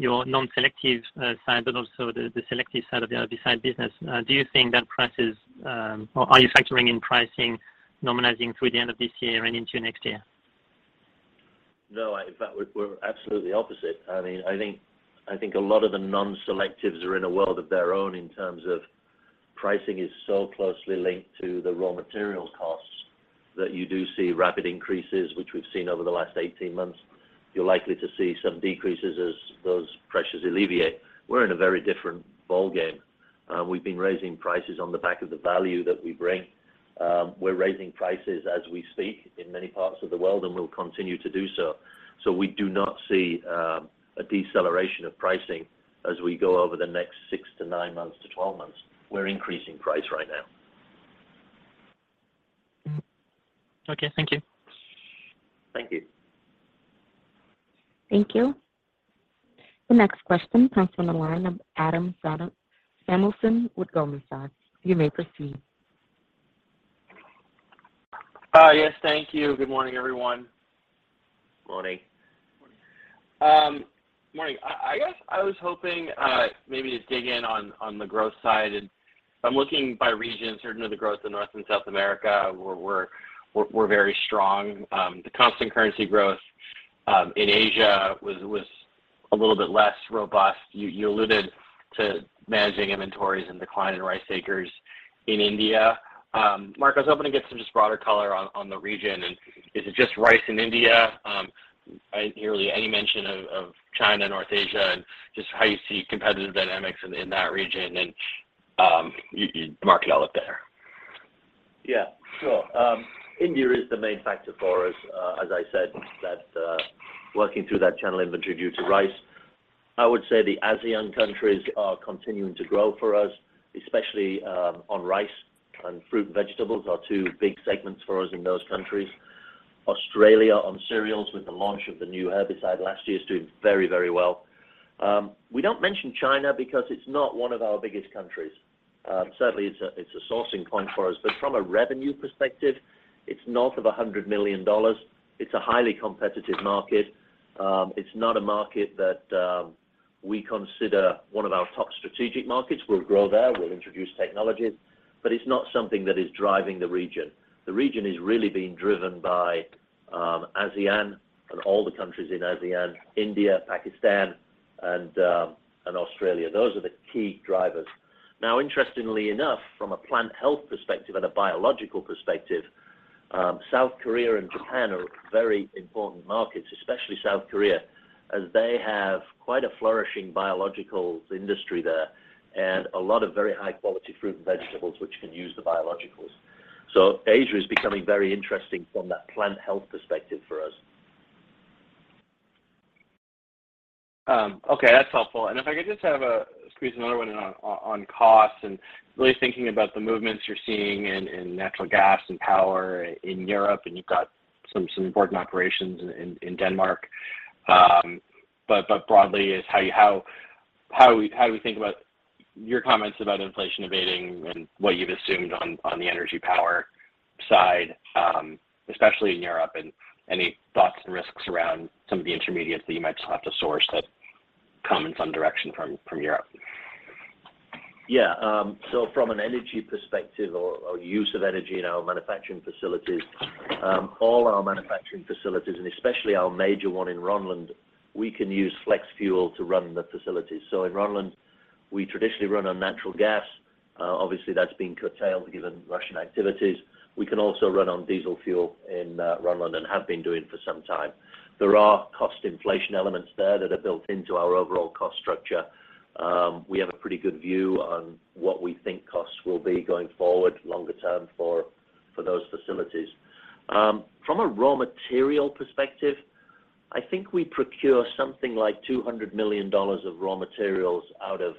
your non-selective side, but also the selective side of the herbicide business. Do you think that prices or are you factoring in pricing remaining through the end of this year and into next year? No. In fact, we're absolutely opposite. I mean, I think a lot of the non-selectives are in a world of their own in terms of pricing is so closely linked to the raw material costs that you do see rapid increases, which we've seen over the last 18 months. You're likely to see some decreases as those pressures alleviate. We're in a very different ballgame. We've been raising prices on the back of the value that we bring. We're raising prices as we speak in many parts of the world, and we'll continue to do so. We do not see a deceleration of pricing as we go over the next 6 to 9 months to 12 months. We're increasing price right now. Okay. Thank you. Thank you. Thank you. The next question comes from the line of Adam Samuelson with Goldman Sachs. You may proceed. Yes, thank you. Good morning, everyone. Morning. Morning. I guess I was hoping maybe to dig in on the growth side. I'm looking by region, certain of the growth in North and South America where we're very strong. The constant currency growth in Asia was a little bit less robust. You alluded to managing inventories and decline in rice acres in India. Mark, I was hoping to get some just broader color on the region. Is it just rice in India? I didn't hear any mention of China, North Asia, and just how you see competitive dynamics in that region and you, Mark and all up there. Yeah. Sure. India is the main factor for us. As I said, working through that channel inventory due to rice. I would say the ASEAN countries are continuing to grow for us, especially on rice and fruit and vegetables are two big segments for us in those countries. Australia on cereals with the launch of the new herbicide last year is doing very, very well. We don't mention China because it's not one of our biggest countries. Certainly, it's a sourcing point for us. But from a revenue perspective, it's north of $100 million. It's a highly competitive market. It's not a market that we consider one of our top strategic markets. We'll grow there. We'll introduce technologies, but it's not something that is driving the region. The region is really being driven by ASEAN and all the countries in ASEAN, India, Pakistan, and Australia. Those are the key drivers. Now, interestingly enough, from a plant health perspective and a biological perspective, South Korea and Japan are very important markets, especially South Korea, as they have quite a flourishing biological industry there and a lot of very high-quality fruit and vegetables which can use the biologicals. Asia is becoming very interesting from that plant health perspective for us. Okay. That's helpful. If I could just squeeze another one in on costs and really thinking about the movements you're seeing in natural gas and power in Europe, and you've got some important operations in Denmark. But broadly, how do we think about your comments about inflation abating and what you've assumed on the energy power side, especially in Europe? Any thoughts and risks around some of the intermediates that you might still have to source that come in some direction from Europe? Yeah. From an energy perspective or use of energy in our manufacturing facilities, all our manufacturing facilities, and especially our major one in Rønland, we can use flex fuel to run the facilities. In Rønland, we traditionally run on natural gas. Obviously, that's been curtailed given Russian activities. We can also run on diesel fuel in Rønland and have been doing for some time. There are cost inflation elements there that are built into our overall cost structure. We have a pretty good view on what we think costs will be going forward longer term for those facilities. From a raw material perspective, I think we procure something like $200 million of raw materials out of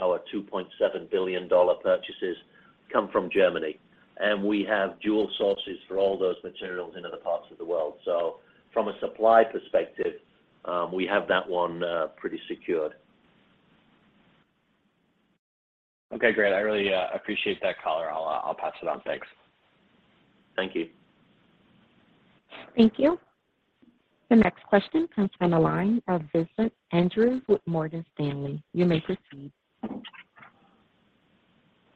our $2.7 billion purchases come from Germany. We have dual sources for all those materials in other parts of the world. From a supply perspective, we have that one pretty secured. Okay, great. I really appreciate that color. I'll pass it on. Thanks. Thank you. Thank you. The next question comes from the line of Vincent Andrews with Morgan Stanley. You may proceed.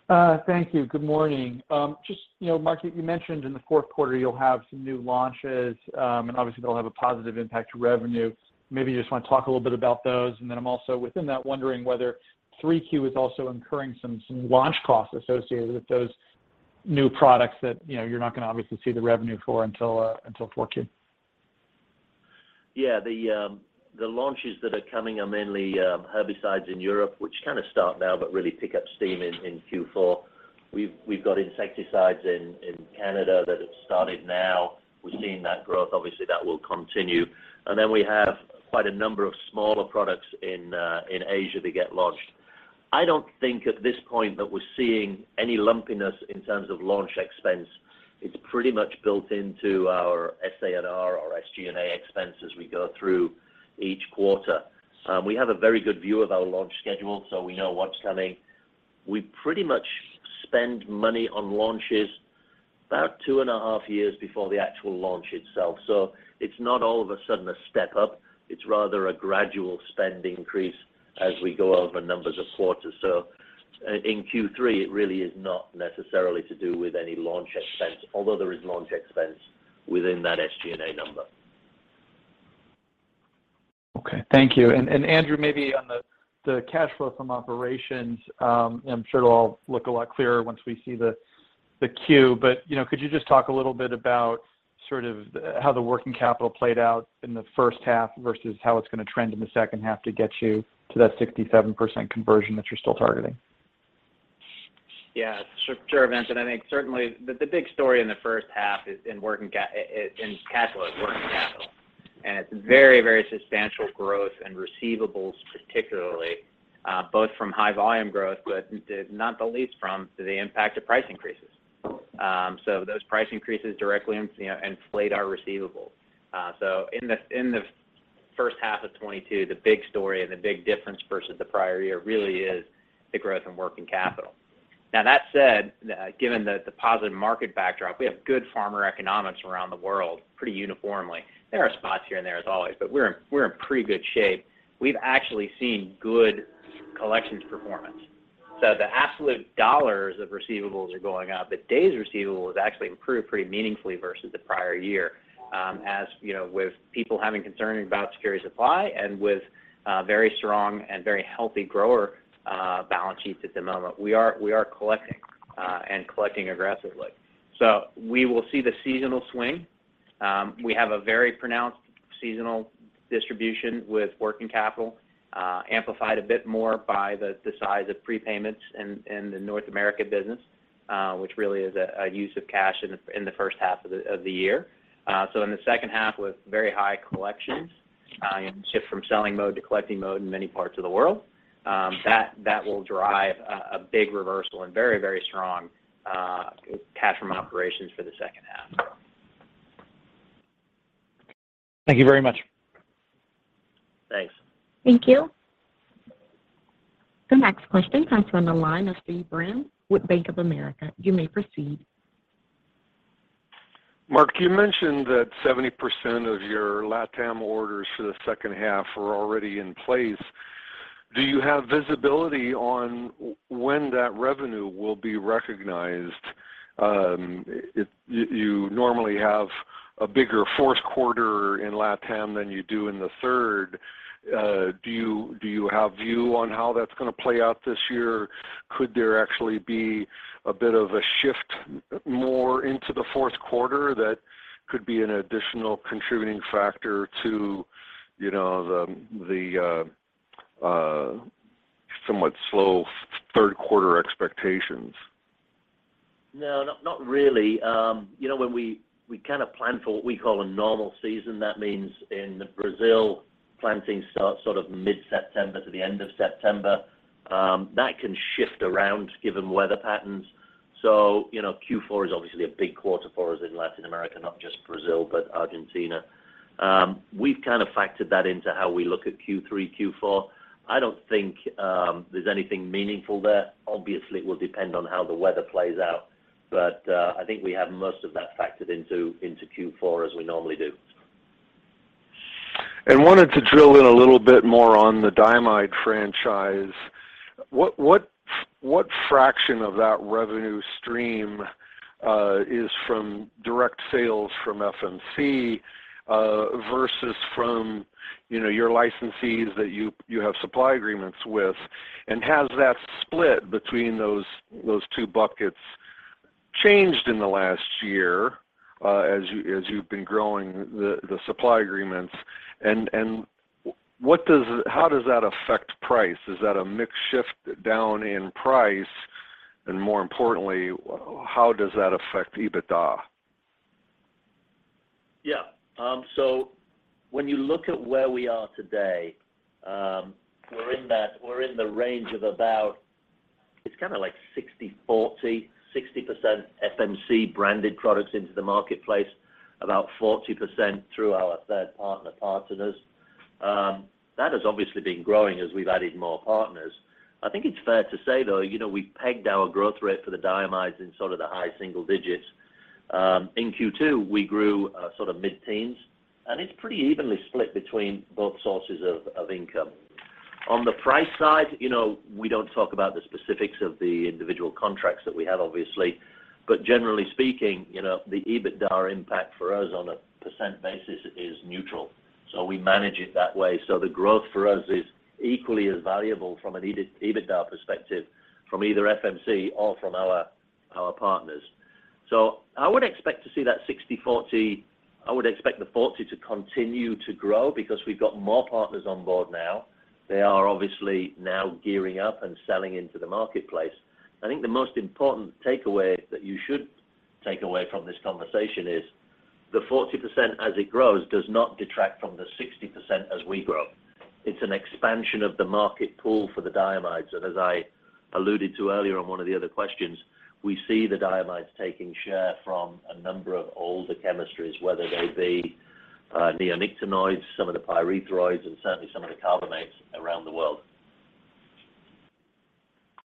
Thank you. Good morning. Just, you know, Mark, you mentioned in the fourth quarter you'll have some new launches, and obviously they'll have a positive impact to revenue. Maybe you just wanna talk a little bit about those. I'm also within that wondering whether Q3 is also incurring some launch costs associated with those new products that, you know, you're not gonna obviously see the revenue for until Q4. Yeah. The launches that are coming are mainly herbicides in Europe, which kind of start now but really pick up steam in Q4. We've got insecticides in Canada that have started now. We're seeing that growth. Obviously, that will continue. We have quite a number of smaller products in Asia that get launched. I don't think at this point that we're seeing any lumpiness in terms of launch expense. It's pretty much built into our SG&A expense as we go through each quarter. We have a very good view of our launch schedule, so we know what's coming. We pretty much spend money on launches about two and a half years before the actual launch itself. It's not all of a sudden a step-up, it's rather a gradual spend increase as we go over numbers of quarters. In Q3, it really is not necessarily to do with any launch expense, although there is launch expense within that SG&A number. Okay. Thank you. Andrew, maybe on the cash flow from operations, I'm sure it'll all look a lot clearer once we see the Q. You know, could you just talk a little bit about sort of how the working capital played out in the first half versus how it's gonna trend in the second half to get you to that 67% conversion that you're still targeting? Sure, Vincent. I think certainly the big story in the first half is in working capital. It's very substantial growth in receivables particularly, both from high volume growth, but not the least from the impact of price increases. So those price increases directly, you know, inflate our receivables. So in the first half of 2022, the big story and the big difference versus the prior year really is the growth in working capital. Now that said, given the positive market backdrop, we have good farmer economics around the world pretty uniformly. There are spots here and there as always, but we're in pretty good shape. We've actually seen good collections performance. The absolute dollars of receivables are going up, but days receivable has actually improved pretty meaningfully versus the prior year. As you know, with people having concern about supply security and with very strong and very healthy growers' balance sheets at the moment, we are collecting and collecting aggressively. We will see the seasonal swing. We have a very pronounced seasonal distribution with working capital, amplified a bit more by the size of prepayments in the North America business, which really is a use of cash in the first half of the year. In the second half with very high collections, you know, shift from selling mode to collecting mode in many parts of the world, that will drive a big reversal and very strong cash from operations for the second half. Thank you very much. Thanks. Thank you. The next question comes from the line of Steve Byrne with Bank of America. You may proceed. Mark, you mentioned that 70% of your LatAm orders for the second half are already in place. Do you have visibility on when that revenue will be recognized? You normally have a bigger fourth quarter in LatAm than you do in the third. Do you have a view on how that's gonna play out this year? Could there actually be a bit of a shift more into the fourth quarter that could be an additional contributing factor to, you know, the somewhat slow third quarter expectations? No. Not really. You know, when we kind of plan for what we call a normal season, that means in Brazil, planting starts sort of mid-September to the end of September. That can shift around given weather patterns. You know, Q4 is obviously a big quarter for us in Latin America, not just Brazil, but Argentina. We've kind of factored that into how we look at Q3, Q4. I don't think there's anything meaningful there. Obviously, it will depend on how the weather plays out, but I think we have most of that factored into Q4 as we normally do. Wanted to drill in a little bit more on the diamide franchise. What fraction of that revenue stream is from direct sales from FMC versus from, you know, your licensees that you have supply agreements with? Has that split between those two buckets changed in the last year as you've been growing the supply agreements? How does that affect price? Is that a mix shift down in price? More importantly, how does that affect EBITDA? Yeah. So when you look at where we are today, we're in the range of about, it's kinda like 60/40. 60% FMC branded products into the marketplace, about 40% through our third-party partners. That has obviously been growing as we've added more partners. I think it's fair to say, though, you know, we pegged our growth rate for the diamides in sort of the high single digits. In Q2, we grew sort of mid-teens, and it's pretty evenly split between both sources of income. On the price side, you know, we don't talk about the specifics of the individual contracts that we have, obviously. But generally speaking, you know, the EBITDA impact for us on a percent basis is neutral. We manage it that way. The growth for us is equally as valuable from an EBITDA perspective from either FMC or from our partners. I would expect to see that 60/40. I would expect the 40 to continue to grow because we've got more partners on board now. They are obviously now gearing up and selling into the marketplace. I think the most important takeaway that you should take away from this conversation is the 40%, as it grows, does not detract from the 60% as we grow. It's an expansion of the market pool for the diamides, and as I alluded to earlier on one of the other questions, we see the diamides taking share from a number of older chemistries, whether they be neonicotinoids, some of the pyrethroids, and certainly some of the carbamates around the world.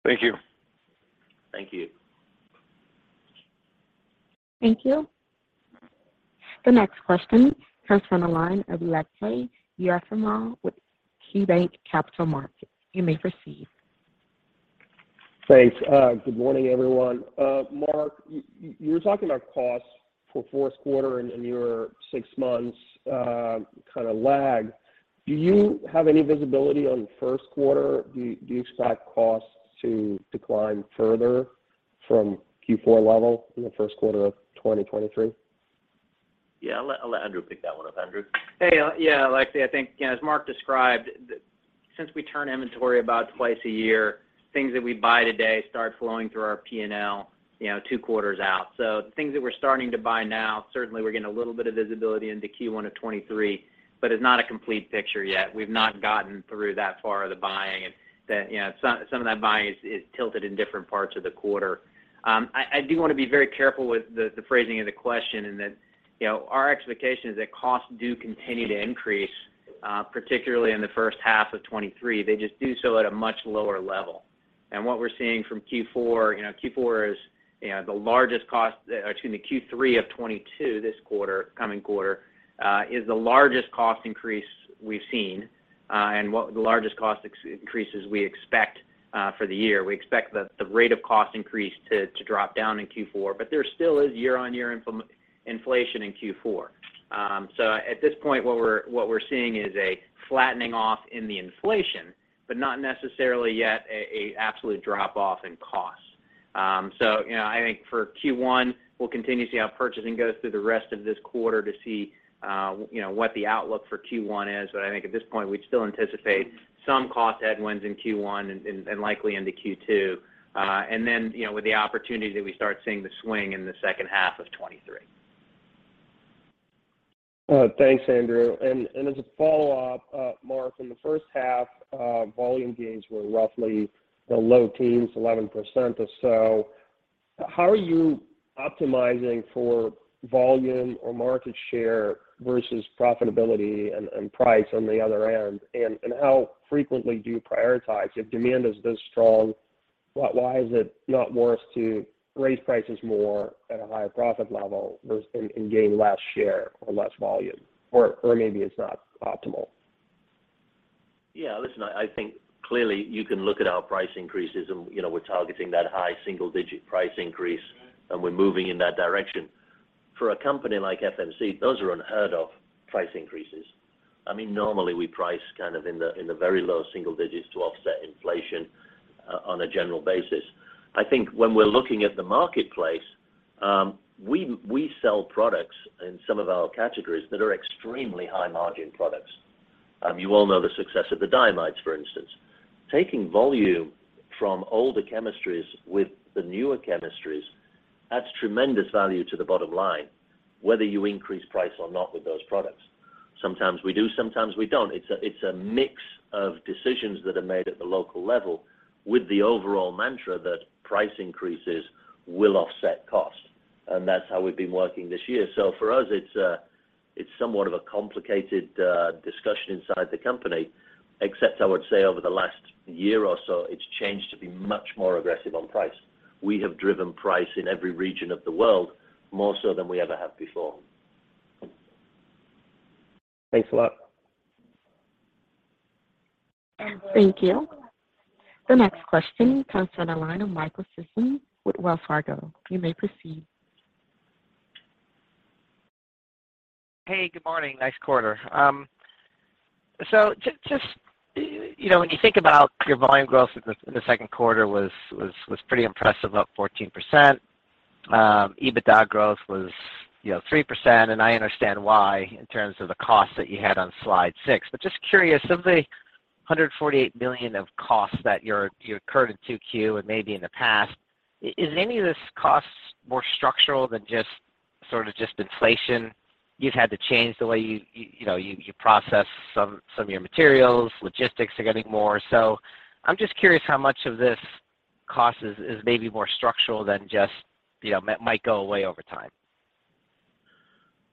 Thank you. Thank you. Thank you. The next question comes from the line of Aleksey Yefremov with KeyBanc Capital Markets. You may proceed. Thanks. Good morning, everyone. Mark, you were talking about costs for fourth quarter and your six months kind of lag. Do you have any visibility on first quarter? Do you expect costs to decline further from Q4 level in the first quarter of 2023? Yeah. I'll let Andrew pick that one up. Andrew? Hey, Lexi, I think, you know, as Mark described, since we turn inventory about twice a year, things that we buy today start flowing through our P&L, you know, two quarters out. The things that we're starting to buy now, certainly we're getting a little bit of visibility into Q1 of 2023, but it's not a complete picture yet. We've not gotten through that far of the buying and that, you know, some of that buying is tilted in different parts of the quarter. I do wanna be very careful with the phrasing of the question, and that, you know, our expectation is that costs do continue to increase, particularly in the first half of 2023. They just do so at a much lower level. What we're seeing from Q4, you know, Q4 is, you know, the largest cost. Excuse me. The Q3 of 2022, this quarter, coming quarter, is the largest cost increase we've seen, and the largest cost increases we expect for the year. We expect the rate of cost increase to drop down in Q4. There still is year-on-year inflation in Q4. So at this point, what we're seeing is a flattening off in the inflation, but not necessarily yet an absolute drop-off in costs. So, you know, I think for Q1, we'll continue to see how purchasing goes through the rest of this quarter to see, you know, what the outlook for Q1 is. I think at this point, we'd still anticipate some cost headwinds in Q1 and likely into Q2. You know, with the opportunity that we start seeing the swing in the second half of 2023. Thanks, Andrew. As a follow-up, Mark, in the first half, volume gains were roughly the low teens, 11% or so. How are you optimizing for volume or market share versus profitability and price on the other end? How frequently do you prioritize? If demand is this strong, why is it not wise to raise prices more at a higher profit level and gain less share or less volume, or maybe it's not optimal? Yeah. Listen, I think clearly you can look at our price increases and, you know, we're targeting that high single digit price increase, and we're moving in that direction. For a company like FMC, those are unheard of price increases. I mean, normally we price kind of in the, in the very low single digits to offset inflation on a general basis. I think when we're looking at the marketplace, we sell products in some of our categories that are extremely high margin products. You all know the success of the diamides, for instance. Taking volume from older chemistries with the newer chemistries adds tremendous value to the bottom line, whether you increase price or not with those products. Sometimes we do, sometimes we don't. It's a mix of decisions that are made at the local level with the overall mantra that price increases will offset costs, and that's how we've been working this year. For us, it's somewhat of a complicated discussion inside the company, except I would say over the last year or so, it's changed to be much more aggressive on price. We have driven price in every region of the world more so than we ever have before. Thanks a lot. Thank you. The next question comes from the line of Michael Sison with Wells Fargo. You may proceed. Hey. Good morning. Nice quarter. Just, you know, when you think about your volume growth in the second quarter was pretty impressive, up 14%. EBITDA growth was, you know, 3%, and I understand why in terms of the costs that you had on slide six. Just curious, of the $148 million of costs that you incurred in 2Q and maybe in the past, is any of this costs more structural than sort of just inflation? You've had to change the way you know you process some of your materials. Logistics are getting more. I'm just curious how much of this cost is maybe more structural than just, you know, might go away over time.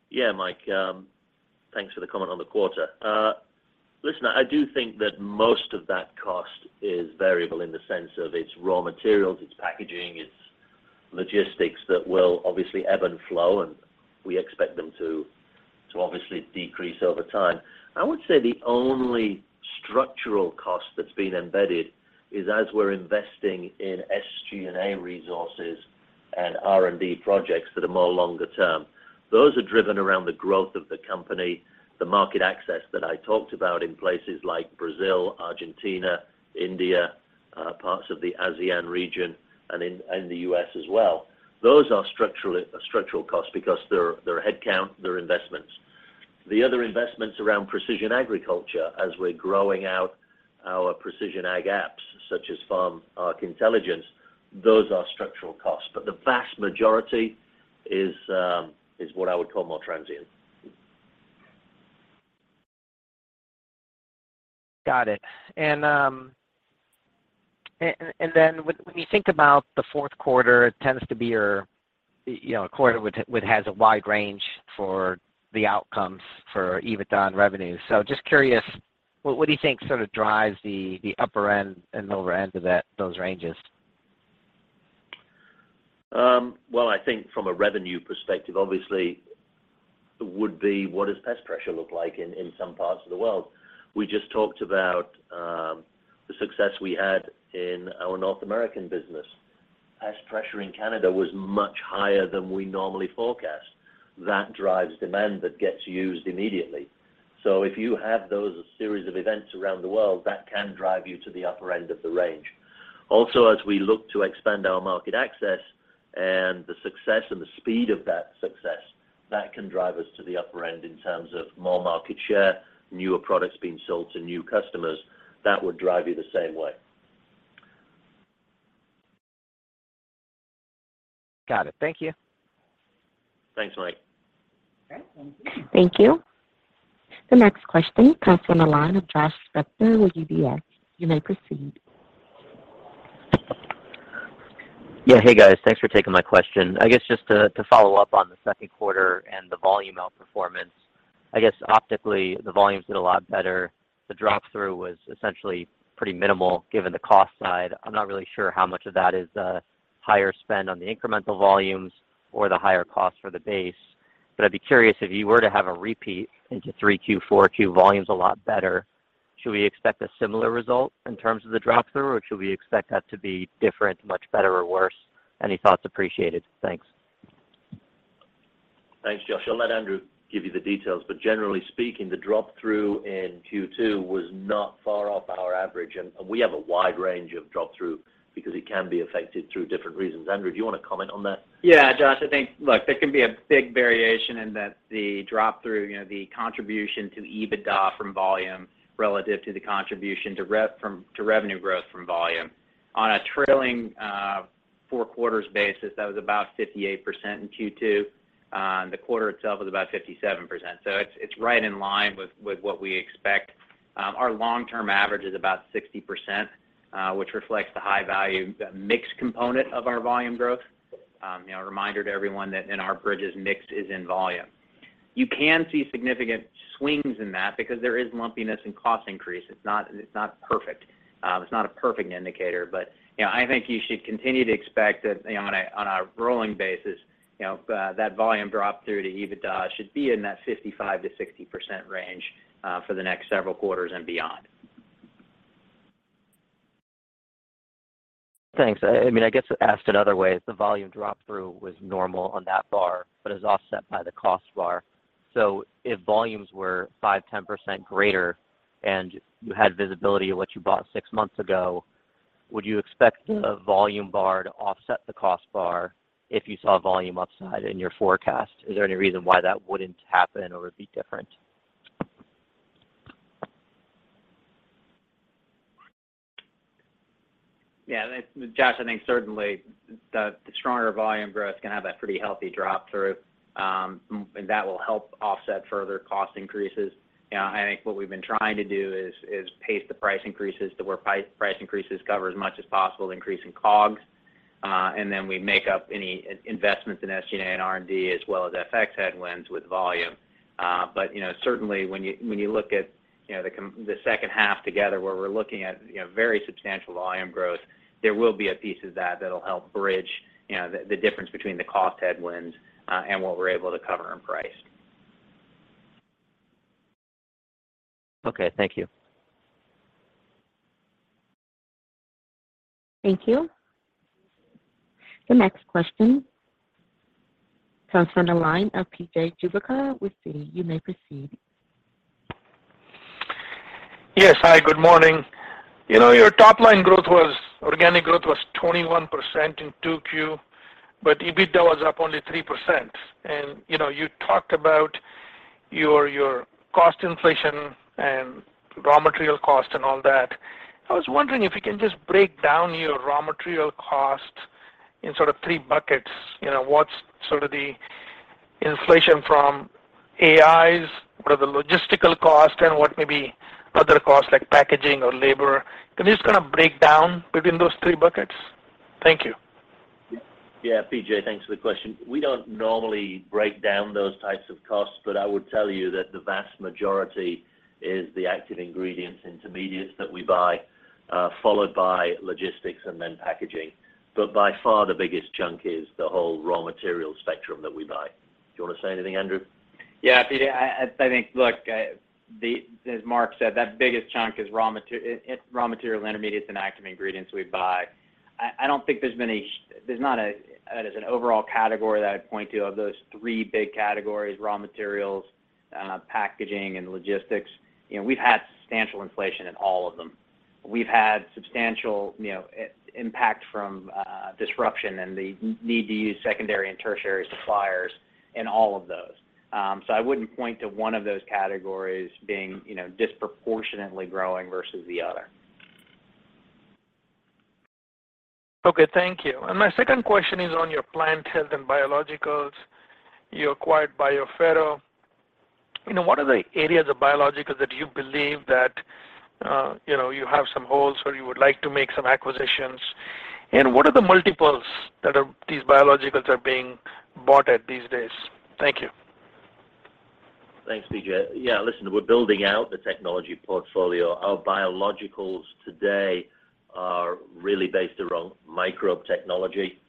Yeah, Mike. Thanks for the comment on the quarter. Listen, I do think that most of that cost is variable in the sense of it's raw materials, it's packaging, it's logistics that will obviously ebb and flow, and we expect them to obviously decrease over time. I would say the only structural cost that's been embedded is as we're investing in SG&A resources and R&D projects that are more longer term. Those are driven around the growth of the company, the market access that I talked about in places like Brazil, Argentina, India, parts of the ASEAN region and the U.S. as well. Those are structural costs because they're headcount, they're investments. The other investments around precision agriculture as we're growing out our precision ag apps, such as Arc Farm Intelligence, those are structural costs. The vast majority is what I would call more transient. Got it. Then when you think about the fourth quarter, it tends to be your, you know, quarter which has a wide range for the outcomes for EBITDA and revenue. Just curious, what do you think sort of drives the upper end and lower end of that, those ranges? Well, I think from a revenue perspective, obviously it would be what does pest pressure look like in some parts of the world. We just talked about the success we had in our North American business. Pest pressure in Canada was much higher than we normally forecast. That drives demand that gets used immediately. So if you have those series of events around the world, that can drive you to the upper end of the range. Also, as we look to expand our market access and the success and the speed of that success, that can drive us to the upper end in terms of more market share, newer products being sold to new customers. That would drive you the same way. Got it. Thank you. Thanks, Mike. Okay, thank you. Thank you. The next question comes from the line of Josh Spector with UBS. You may proceed. Yeah. Hey, guys. Thanks for taking my question. I guess just to follow up on the second quarter and the volume outperformance. I guess optically the volumes did a lot better. The drop-through was essentially pretty minimal given the cost side. I'm not really sure how much of that is higher spend on the incremental volumes or the higher cost for the base. I'd be curious if you were to have a repeat into Q3, Q4 volumes a lot better, should we expect a similar result in terms of the drop through, or should we expect that to be different, much better or worse? Any thoughts appreciated. Thanks. Thanks, Josh. I'll let Andrew give you the details, but generally speaking, the drop-through in Q2 was not far off our average. We have a wide range of drop-through because it can be affected through different reasons. Andrew, do you want to comment on that? Yeah, Josh, I think. Look, there can be a big variation in that the drop-through, you know, the contribution to EBITDA from volume relative to the contribution to revenue growth from volume. On a trailing four quarters basis, that was about 58% in Q2. The quarter itself was about 57%. It's right in line with what we expect. Our long-term average is about 60%, which reflects the high value, the mix component of our volume growth. You know, a reminder to everyone that in our bridges mix is in volume. You can see significant swings in that because there is lumpiness in cost increase. It's not perfect. It's not a perfect indicator, but, you know, I think you should continue to expect that, you know, on a rolling basis, you know, that volume drop-through to EBITDA should be in that 55%-60% range, for the next several quarters and beyond. Thanks. I mean, I guess asked another way, if the volume drop-through was normal on that bar, but is offset by the cost bar. If volumes were 5%-10% greater and you had visibility of what you bought six months ago, would you expect the volume bar to offset the cost bar if you saw volume upside in your forecast? Is there any reason why that wouldn't happen or be different? Yeah. Josh, I think certainly the stronger volume growth can have that pretty healthy drop-through. That will help offset further cost increases. You know, I think what we've been trying to do is pace the price increases to where price increases cover as much as possible, increasing COGS, and then we make up any investments in SG&A and R&D as well as FX headwinds with volume. You know, certainly when you look at the second half together, where we're looking at very substantial volume growth, there will be a piece of that that'll help bridge the difference between the cost headwinds and what we're able to cover in price. Okay. Thank you. Thank you. The next question comes from the line of P.J. Juvekar with Citi. You may proceed. Yes. Hi, good morning. You know, organic growth was 21% in 2Q, but EBITDA was up only 3%. You know, you talked about your cost inflation and raw material cost and all that. I was wondering if you can just break down your raw material cost in sort of three buckets. You know, what's sort of the inflation from AIs? What are the logistical costs and what may be other costs like packaging or labor? Can you just kind of break down between those three buckets? Thank you. Yeah. Yeah. P.J., thanks for the question. We don't normally break down those types of costs, but I would tell you that the vast majority is the active ingredients, intermediates that we buy, followed by logistics and then packaging. By far the biggest chunk is the whole raw material spectrum that we buy. Do you want to say anything, Andrew? Yeah. PJ, I think, look, as Mark said, that biggest chunk is. It's raw material, intermediates, and active ingredients we buy. I don't think that is an overall category that I'd point to of those three big categories, raw materials, packaging and logistics. You know, we've had substantial inflation in all of them. We've had substantial, you know, impact from disruption and the need to use secondary and tertiary suppliers in all of those. So I wouldn't point to one of those categories being, you know, disproportionately growing versus the other. Okay. Thank you. My second question is on your plant health and biologicals. You acquired BioPhero. You know, what are the areas of biologicals that you believe that, you know, you have some holes or you would like to make some acquisitions? And what are the multiples that these biologicals are being bought at these days? Thank you. Thanks, P.J. Yeah, listen, we're building out the technology portfolio. Our biologicals today are really based around microbe technology.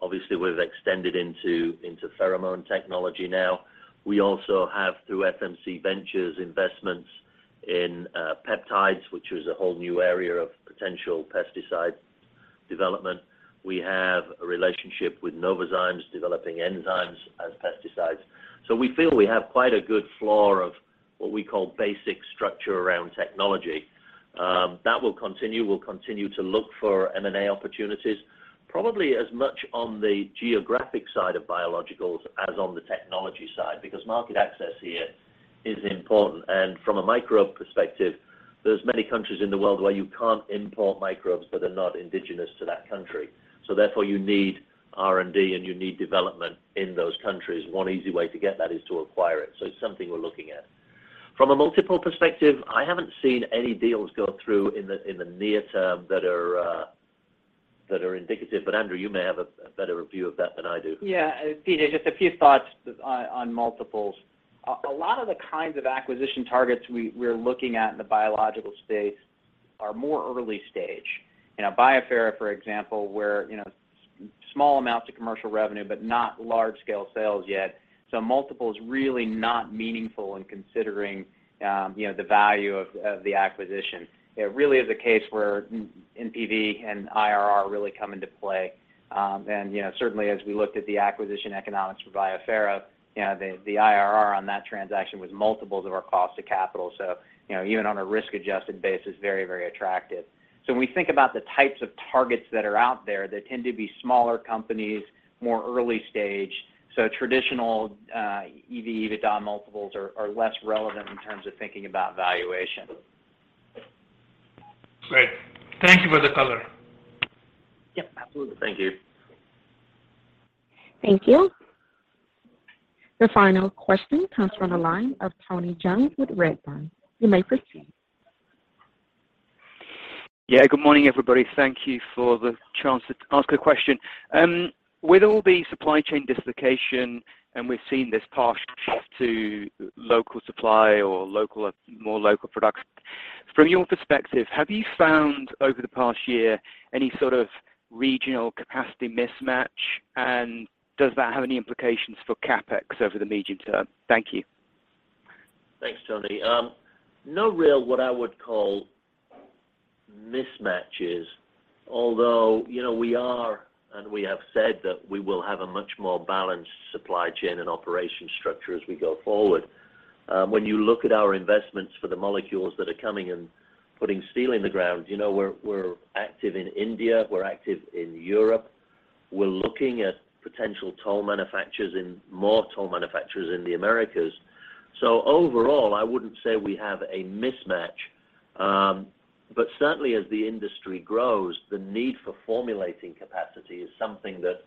Obviously we've extended into pheromone technology now. We also have, through FMC Ventures, investments in peptides, which is a whole new area of potential pesticide development. We have a relationship with Novozymes, developing enzymes as pesticides. We feel we have quite a good floor of what we call basic structure around technology. That will continue. We'll continue to look for M&A opportunities, probably as much on the geographic side of biologicals as on the technology side, because market access here is important. From a microbe perspective, there's many countries in the world where you can't import microbes that are not indigenous to that country. Therefore, you need R&D and you need development in those countries. One easy way to get that is to acquire it. It's something we're looking at. From a multiple perspective, I haven't seen any deals go through in the near term that are indicative. Andrew, you may have a better view of that than I do. Yeah. Peter, just a few thoughts on multiples. A lot of the kinds of acquisition targets we're looking at in the biological space are more early stage. You know, BioPhero, for example, where, you know, small amounts of commercial revenue, but not large scale sales yet. Multiple is really not meaningful in considering, you know, the value of the acquisition. It really is a case where NPV and IRR really come into play. You know, certainly as we looked at the acquisition economics for BioPhero, you know, the IRR on that transaction was multiples of our cost of capital. You know, even on a risk-adjusted basis, very, very attractive. When we think about the types of targets that are out there, they tend to be smaller companies, more early stage. Traditional EV/EBITDA multiples are less relevant in terms of thinking about valuation. Great. Thank you for the color. Yep, absolutely. Thank you. Thank you. The final question comes from the line of Tony Jones with Redburn. You may proceed. Yeah. Good morning, everybody. Thank you for the chance to ask a question. With all the supply chain dislocation, and we've seen this partial shift to local supply or more local production. From your perspective, have you found over the past year any sort of regional capacity mismatch? Does that have any implications for CapEx over the medium term? Thank you. Thanks, Tony. No real what I would call mismatches, although, you know, we are and we have said that we will have a much more balanced supply chain and operation structure as we go forward. When you look at our investments for the molecules that are coming and putting steel in the ground, you know, we're active in India, we're active in Europe. We're looking at potential toll manufacturers, more toll manufacturers in the Americas. Overall, I wouldn't say we have a mismatch. Certainly as the industry grows, the need for formulating capacity is something that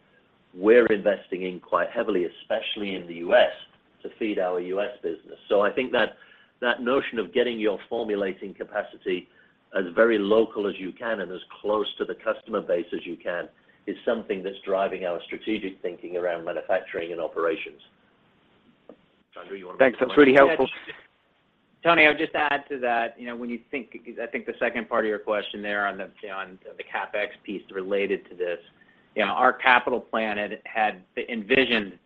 we're investing in quite heavily, especially in the US, to feed our US business. I think that notion of getting your formulating capacity as local as you can and as close to the customer base as you can is something that's driving our strategic thinking around manufacturing and operations. Andrew, you wanna- Thanks. That's really helpful. Tony, I would just add to that. You know, when you think, I think the second part of your question there on the CapEx piece related to this. You know, our capital plan had envisioned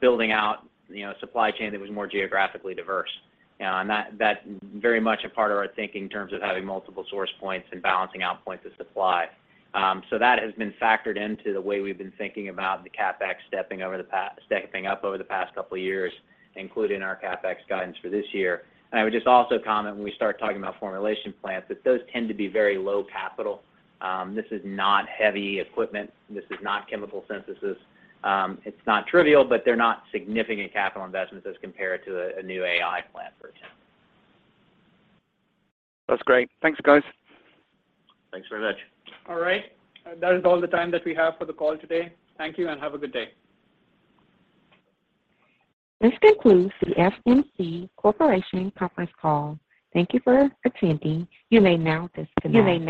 building out, you know, a supply chain that was more geographically diverse. That very much a part of our thinking in terms of having multiple source points and balancing out points of supply. So that has been factored into the way we've been thinking about the CapEx stepping up over the past couple of years, including our CapEx guidance for this year. I would just also comment when we start talking about formulation plants, that those tend to be very low capital. This is not heavy equipment. This is not chemical synthesis. It's not trivial, but they're not significant capital investments as compared to a new ag plant, for example. That's great. Thanks, guys. Thanks very much. All right. That is all the time that we have for the call today. Thank you, and have a good day. This concludes the FMC Corporation conference call. Thank you for attending. You may now disconnect.